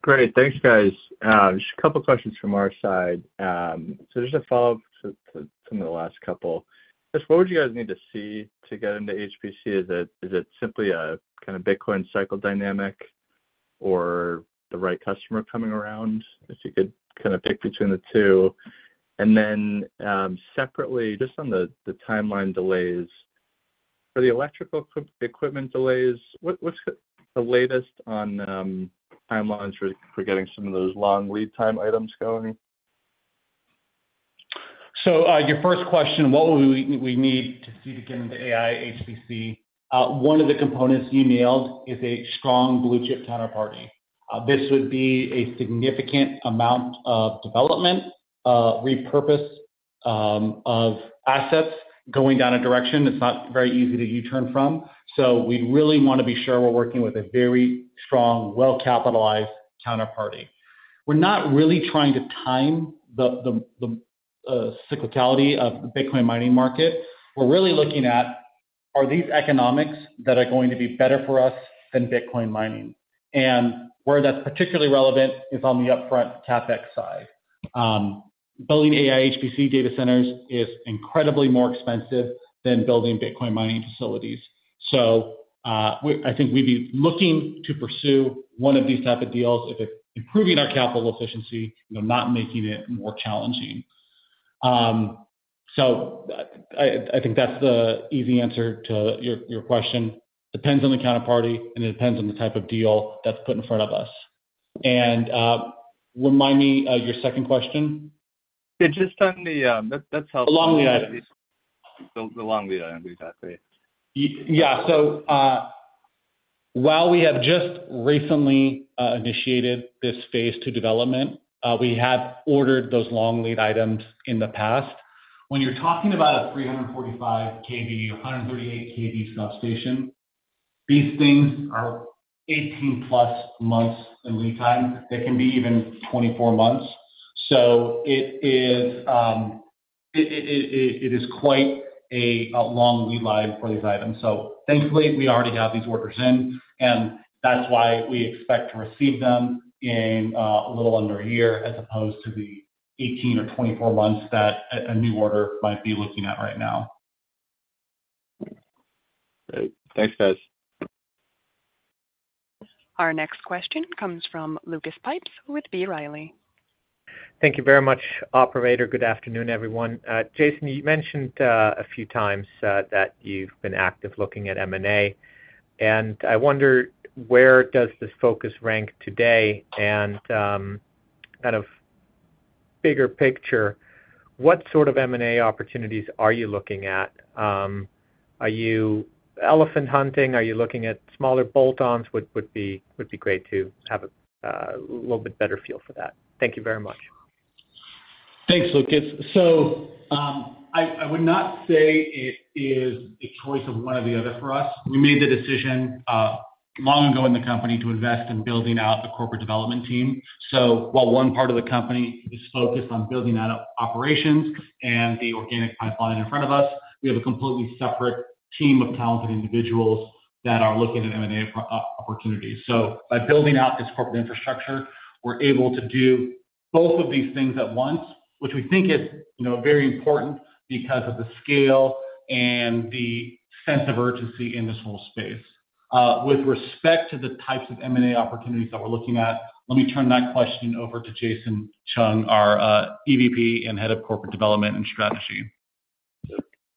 Great. Thanks, guys. Just a couple of questions from our side. So just a follow-up to some of the last couple. Just what would you guys need to see to get into HPC? Is it simply a kind of Bitcoin cycle dynamic or the right customer coming around if you could kind of pick between the two? And then separately, just on the timeline delays for the electrical equipment delays, what's the latest on timelines for getting some of those long lead time items going? So your first question, what would we need to see to get into AI/HPC? One of the components you nailed is a strong blue-chip counterparty. This would be a significant amount of development, repurpose of assets going down a direction. It's not very easy to U-turn from. So we really want to be sure we're working with a very strong, well-capitalized counterparty. We're not really trying to time the cyclicality of the Bitcoin mining market. We're really looking at, are these economics that are going to be better for us than Bitcoin mining? And where that's particularly relevant is on the upfront CapEx side. Building AI/HPC data centers is incredibly more expensive than building Bitcoin mining facilities. So I think we'd be looking to pursue one of these types of deals if it's improving our capital efficiency, not making it more challenging. So I think that's the easy answer to your question. Depends on the counterparty, and it depends on the type of deal that's put in front of us. And remind me your second question? Yeah. Just on the, that's helpful. The long lead items. The long lead items. Exactly. Yeah. So while we have just recently initiated this phase II development, we have ordered those long lead items in the past. When you're talking about a 345 kV, 138 kV substation, these things are 18-plus months in lead time. They can be even 24 months. So it is quite a long lead time for these items. So thankfully, we already have these orders in, and that's why we expect to receive them in a little under a year as opposed to the 18 or 24 months that a new order might be looking at right now. Great. Thanks, guys. Our next question comes from Lucas Pipes with B. Riley. Thank you very much, Operator. Good afternoon, everyone. Jason, you mentioned a few times that you've been active looking at M&A. And I wonder, where does this focus rank today? And kind of bigger picture, what sort of M&A opportunities are you looking at? Are you elephant hunting? Are you looking at smaller bolt-ons? Would be great to have a little bit better feel for that. Thank you very much. Thanks, Lucas. So I would not say it is a choice of one or the other for us. We made the decision long ago in the company to invest in building out a corporate development team. So while one part of the company is focused on building out operations and the organic pipeline in front of us, we have a completely separate team of talented individuals that are looking at M&A opportunities. So by building out this corporate infrastructure, we're able to do both of these things at once, which we think is very important because of the scale and the sense of urgency in this whole space. With respect to the types of M&A opportunities that we're looking at, let me turn that question over to Jason Chung, our EVP and head of corporate development and strategy.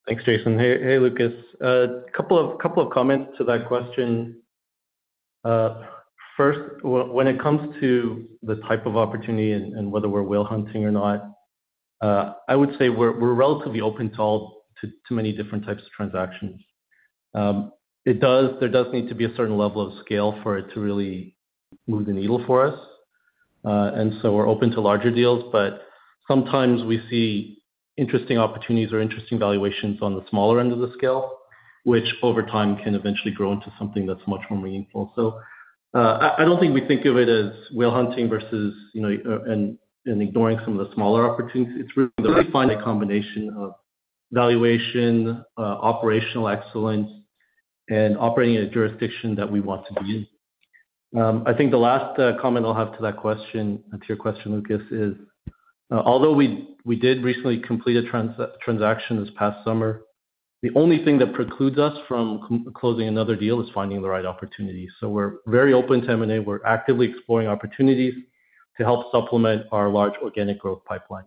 Thanks, Jason. Hey, Lucas. A couple of comments to that question. First, when it comes to the type of opportunity and whether we're whale hunting or not, I would say we're relatively open to many different types of transactions. There does need to be a certain level of scale for it to really move the needle for us. And so we're open to larger deals, but sometimes we see interesting opportunities or interesting valuations on the smaller end of the scale, which over time can eventually grow into something that's much more meaningful. So I don't think we think of it as whale hunting versus ignoring some of the smaller opportunities. It's really a fine combination of valuation, operational excellence, and operating in a jurisdiction that we want to be in. I think the last comment I'll have to that question, to your question, Lucas, is although we did recently complete a transaction this past summer, the only thing that precludes us from closing another deal is finding the right opportunity. So we're very open to M&A. We're actively exploring opportunities to help supplement our large organic growth pipeline.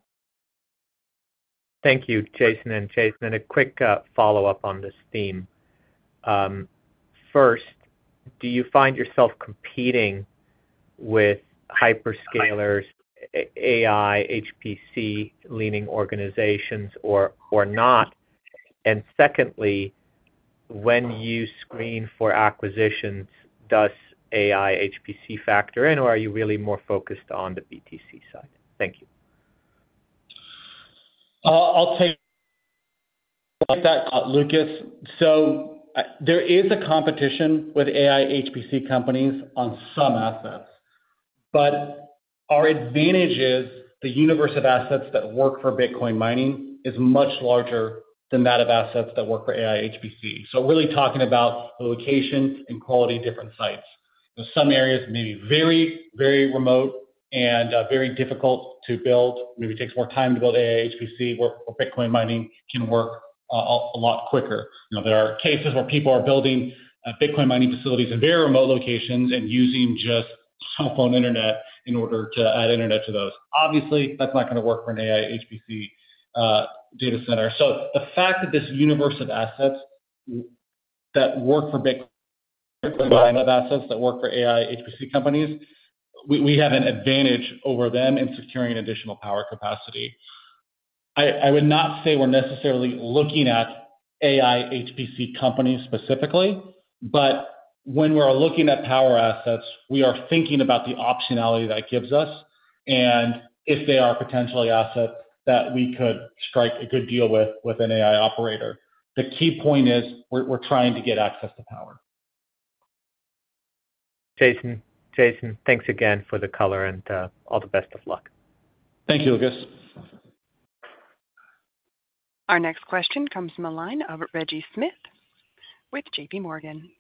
Thank you, Jason and Jason. And a quick follow-up on this theme. First, do you find yourself competing with hyperscalers, AI/HPC-leaning organizations or not? And secondly, when you screen for acquisitions, does AI/HPC factor in, or are you really more focused on the BTC side? Thank you. I'll take that, Lucas. So there is a competition with AI/HPC companies on some assets. But our advantage is the universe of assets that work for Bitcoin mining is much larger than that of assets that work for AI/HPC. So really talking about the location and quality of different sites. Some areas may be very, very remote and very difficult to build. Maybe it takes more time to build AI/HPC, where Bitcoin mining can work a lot quicker. There are cases where people are building Bitcoin mining facilities in very remote locations and using just cell phone internet in order to add internet to those. Obviously, that's not going to work for an AI/HPC data center. So the fact that this universe of assets that work for Bitcoin mining assets that work for AI/HPC companies, we have an advantage over them in securing additional power capacity. I would not say we're necessarily looking at AI/HPC companies specifically, but when we're looking at power assets, we are thinking about the optionality that gives us and if they are potentially assets that we could strike a good deal with an AI operator. The key point is we're trying to get access to power. Jason, thanks again for the color and all the best of luck. Thank you, Lucas. Our next question comes from the line of Reggie Smith with J.P. Morgan.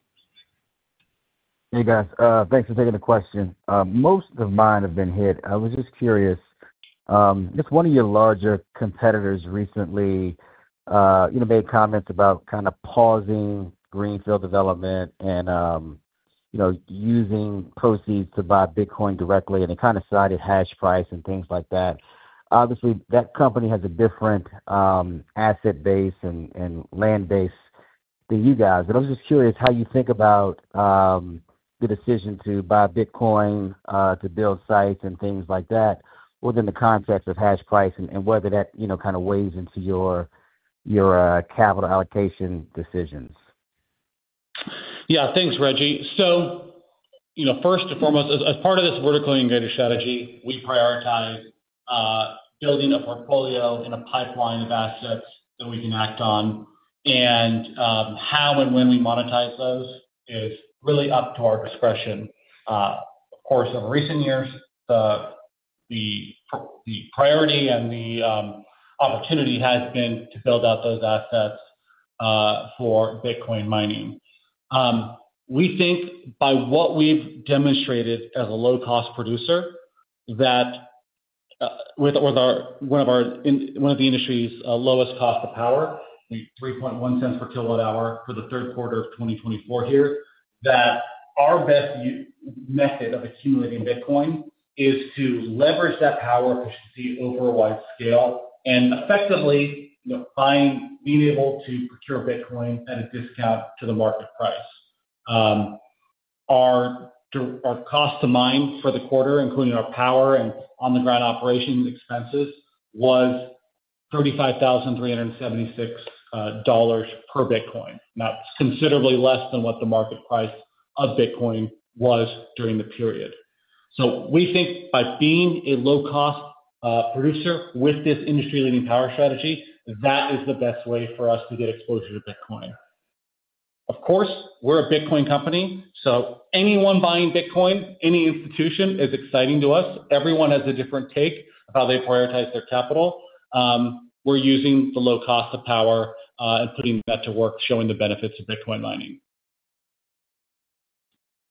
Hey, guys. Thanks for taking the question. Most of mine have been hit. I was just curious. Just one of your larger competitors recently made comments about kind of pausing greenfield development and using proceeds to buy Bitcoin directly, and they kind of cited hash price and things like that. Obviously, that company has a different asset base and land base than you guys. And I was just curious how you think about the decision to buy Bitcoin to build sites and things like that within the context of hash price and whether that kind of weighs into your capital allocation decisions. Yeah. Thanks, Reggie. So first and foremost, as part of this vertically integrated strategy, we prioritize building a portfolio and a pipeline of assets that we can act on. And how and when we monetize those is really up to our discretion. Of course, in recent years, the priority and the opportunity has been to build out those assets for Bitcoin mining. We think by what we've demonstrated as a low-cost producer that with one of the industry's lowest cost of power, $0.031 per kilowatt-hour for the third quarter of 2024 here, that our best method of accumulating Bitcoin is to leverage that power efficiency over a wide scale and effectively being able to procure Bitcoin at a discount to the market price. Our cost to mine for the quarter, including our power and on-the-ground operation expenses, was $35,376 per Bitcoin. That's considerably less than what the market price of Bitcoin was during the period. So we think by being a low-cost producer with this industry-leading power strategy, that is the best way for us to get exposure to Bitcoin. Of course, we're a Bitcoin company. So anyone buying Bitcoin, any institution, is exciting to us. Everyone has a different take of how they prioritize their capital. We're using the low cost of power and putting that to work, showing the benefits of Bitcoin mining.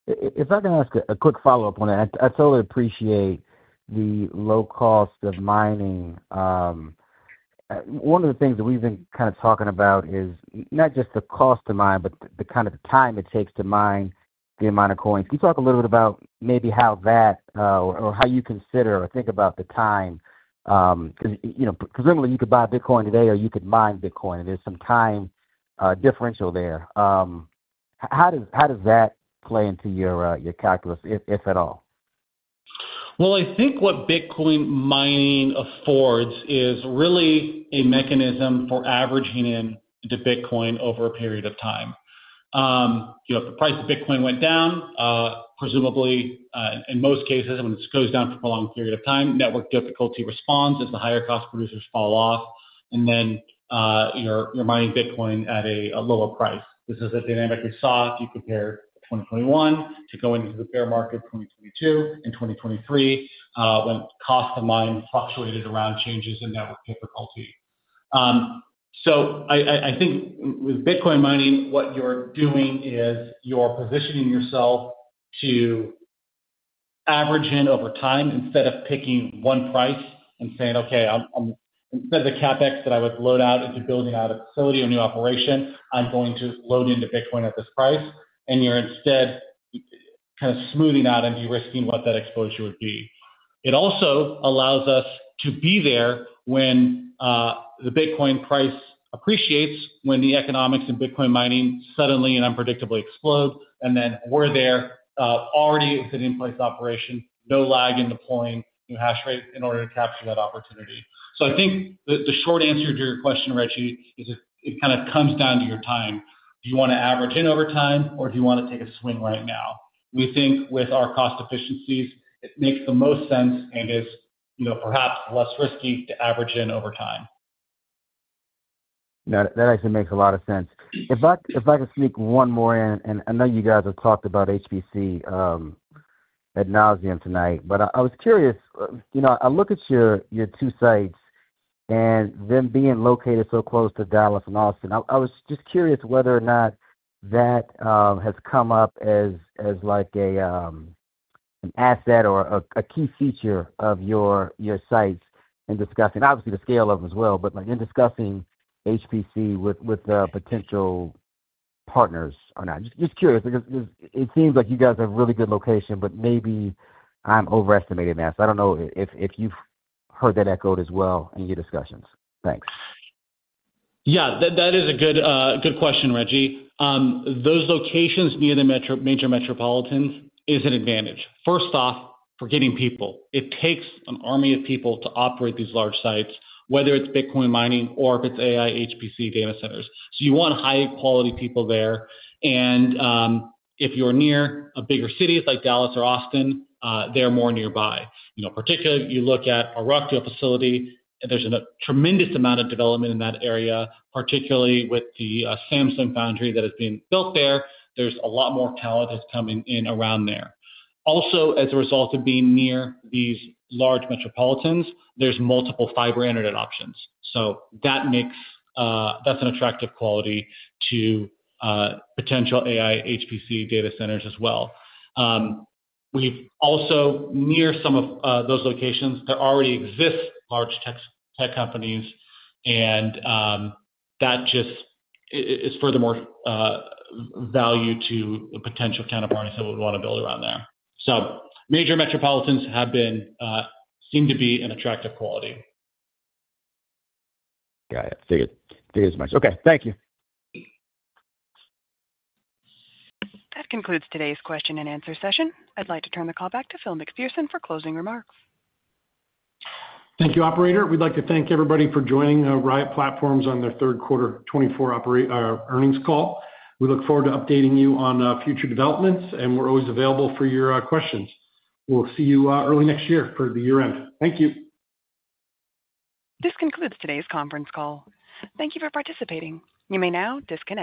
If I can ask a quick follow-up on that, I totally appreciate the low cost of mining. One of the things that we've been kind of talking about is not just the cost to mine, but the kind of time it takes to mine the amount of coins. Can you talk a little bit about maybe how that or how you consider or think about the time? Because presumably, you could buy Bitcoin today or you could mine Bitcoin. There's some time differential there. How does that play into your calculus, if at all? I think what Bitcoin mining affords is really a mechanism for averaging in to Bitcoin over a period of time. If the price of Bitcoin went down, presumably, in most cases, when it goes down for a prolonged period of time, network difficulty responds as the higher-cost producers fall off, and then you're mining Bitcoin at a lower price. This is a dynamic we saw if you compare 2021 to go into the bear market of 2022 and 2023 when cost to mine fluctuated around changes in network difficulty. So I think with Bitcoin mining, what you're doing is you're positioning yourself to average in over time instead of picking one price and saying, "Okay, instead of the CapEx that I would load out into building out a facility or new operation, I'm going to load into Bitcoin at this price." And you're instead kind of smoothing out and de-risking what that exposure would be. It also allows us to be there when the Bitcoin price appreciates when the economics in Bitcoin mining suddenly and unpredictably explode, and then we're there already with an in-place operation, no lag in deploying new hash rate in order to capture that opportunity. So I think the short answer to your question, Reggie, is, it kind of comes down to your time. Do you want to average in over time, or do you want to take a swing right now? We think with our cost efficiencies, it makes the most sense and is perhaps less risky to average in over time. That actually makes a lot of sense. If I could sneak one more in, and I know you guys have talked about HPC ad nauseam tonight, but I was curious. I look at your two sites and them being located so close to Dallas and Austin. I was just curious whether or not that has come up as an asset or a key feature of your sites and discussing, obviously, the scale of them as well, but in discussing HPC with potential partners or not. Just curious. It seems like you guys have a really good location, but maybe I'm overestimating that. So I don't know if you've heard that echoed as well in your discussions. Thanks. Yeah. That is a good question, Reggie. Those locations near the major metropolitans is an advantage. First off, for getting people. It takes an army of people to operate these large sites, whether it's Bitcoin mining or if it's AI/HPC data centers. So you want high-quality people there. And if you're near a bigger city like Dallas or Austin, they're more nearby. Particularly, you look at a Rockdale facility. There's a tremendous amount of development in that area, particularly with the Samsung Foundry that is being built there. There's a lot more talent that's coming in around there. Also, as a result of being near these large metropolitans, there's multiple fiber internet options. So that's an attractive quality to potential AI/HPC data centers as well. We're also near some of those locations. There already exist large tech companies, and that just adds further value to potential counterparties that would want to build around there. So major metropolitans seem to be an attractive quality. Got it. Figured as much. Okay. Thank you. That concludes today's question and answer session. I'd like to turn the call back to Phil McPherson for closing remarks. Thank you, operator. We'd like to thank everybody for joining Riot Platforms on their third quarter 2024 earnings call. We look forward to updating you on future developments, and we're always available for your questions. We'll see you early next year for the year-end. Thank you. This concludes today's conference call. Thank you for participating. You may now disconnect.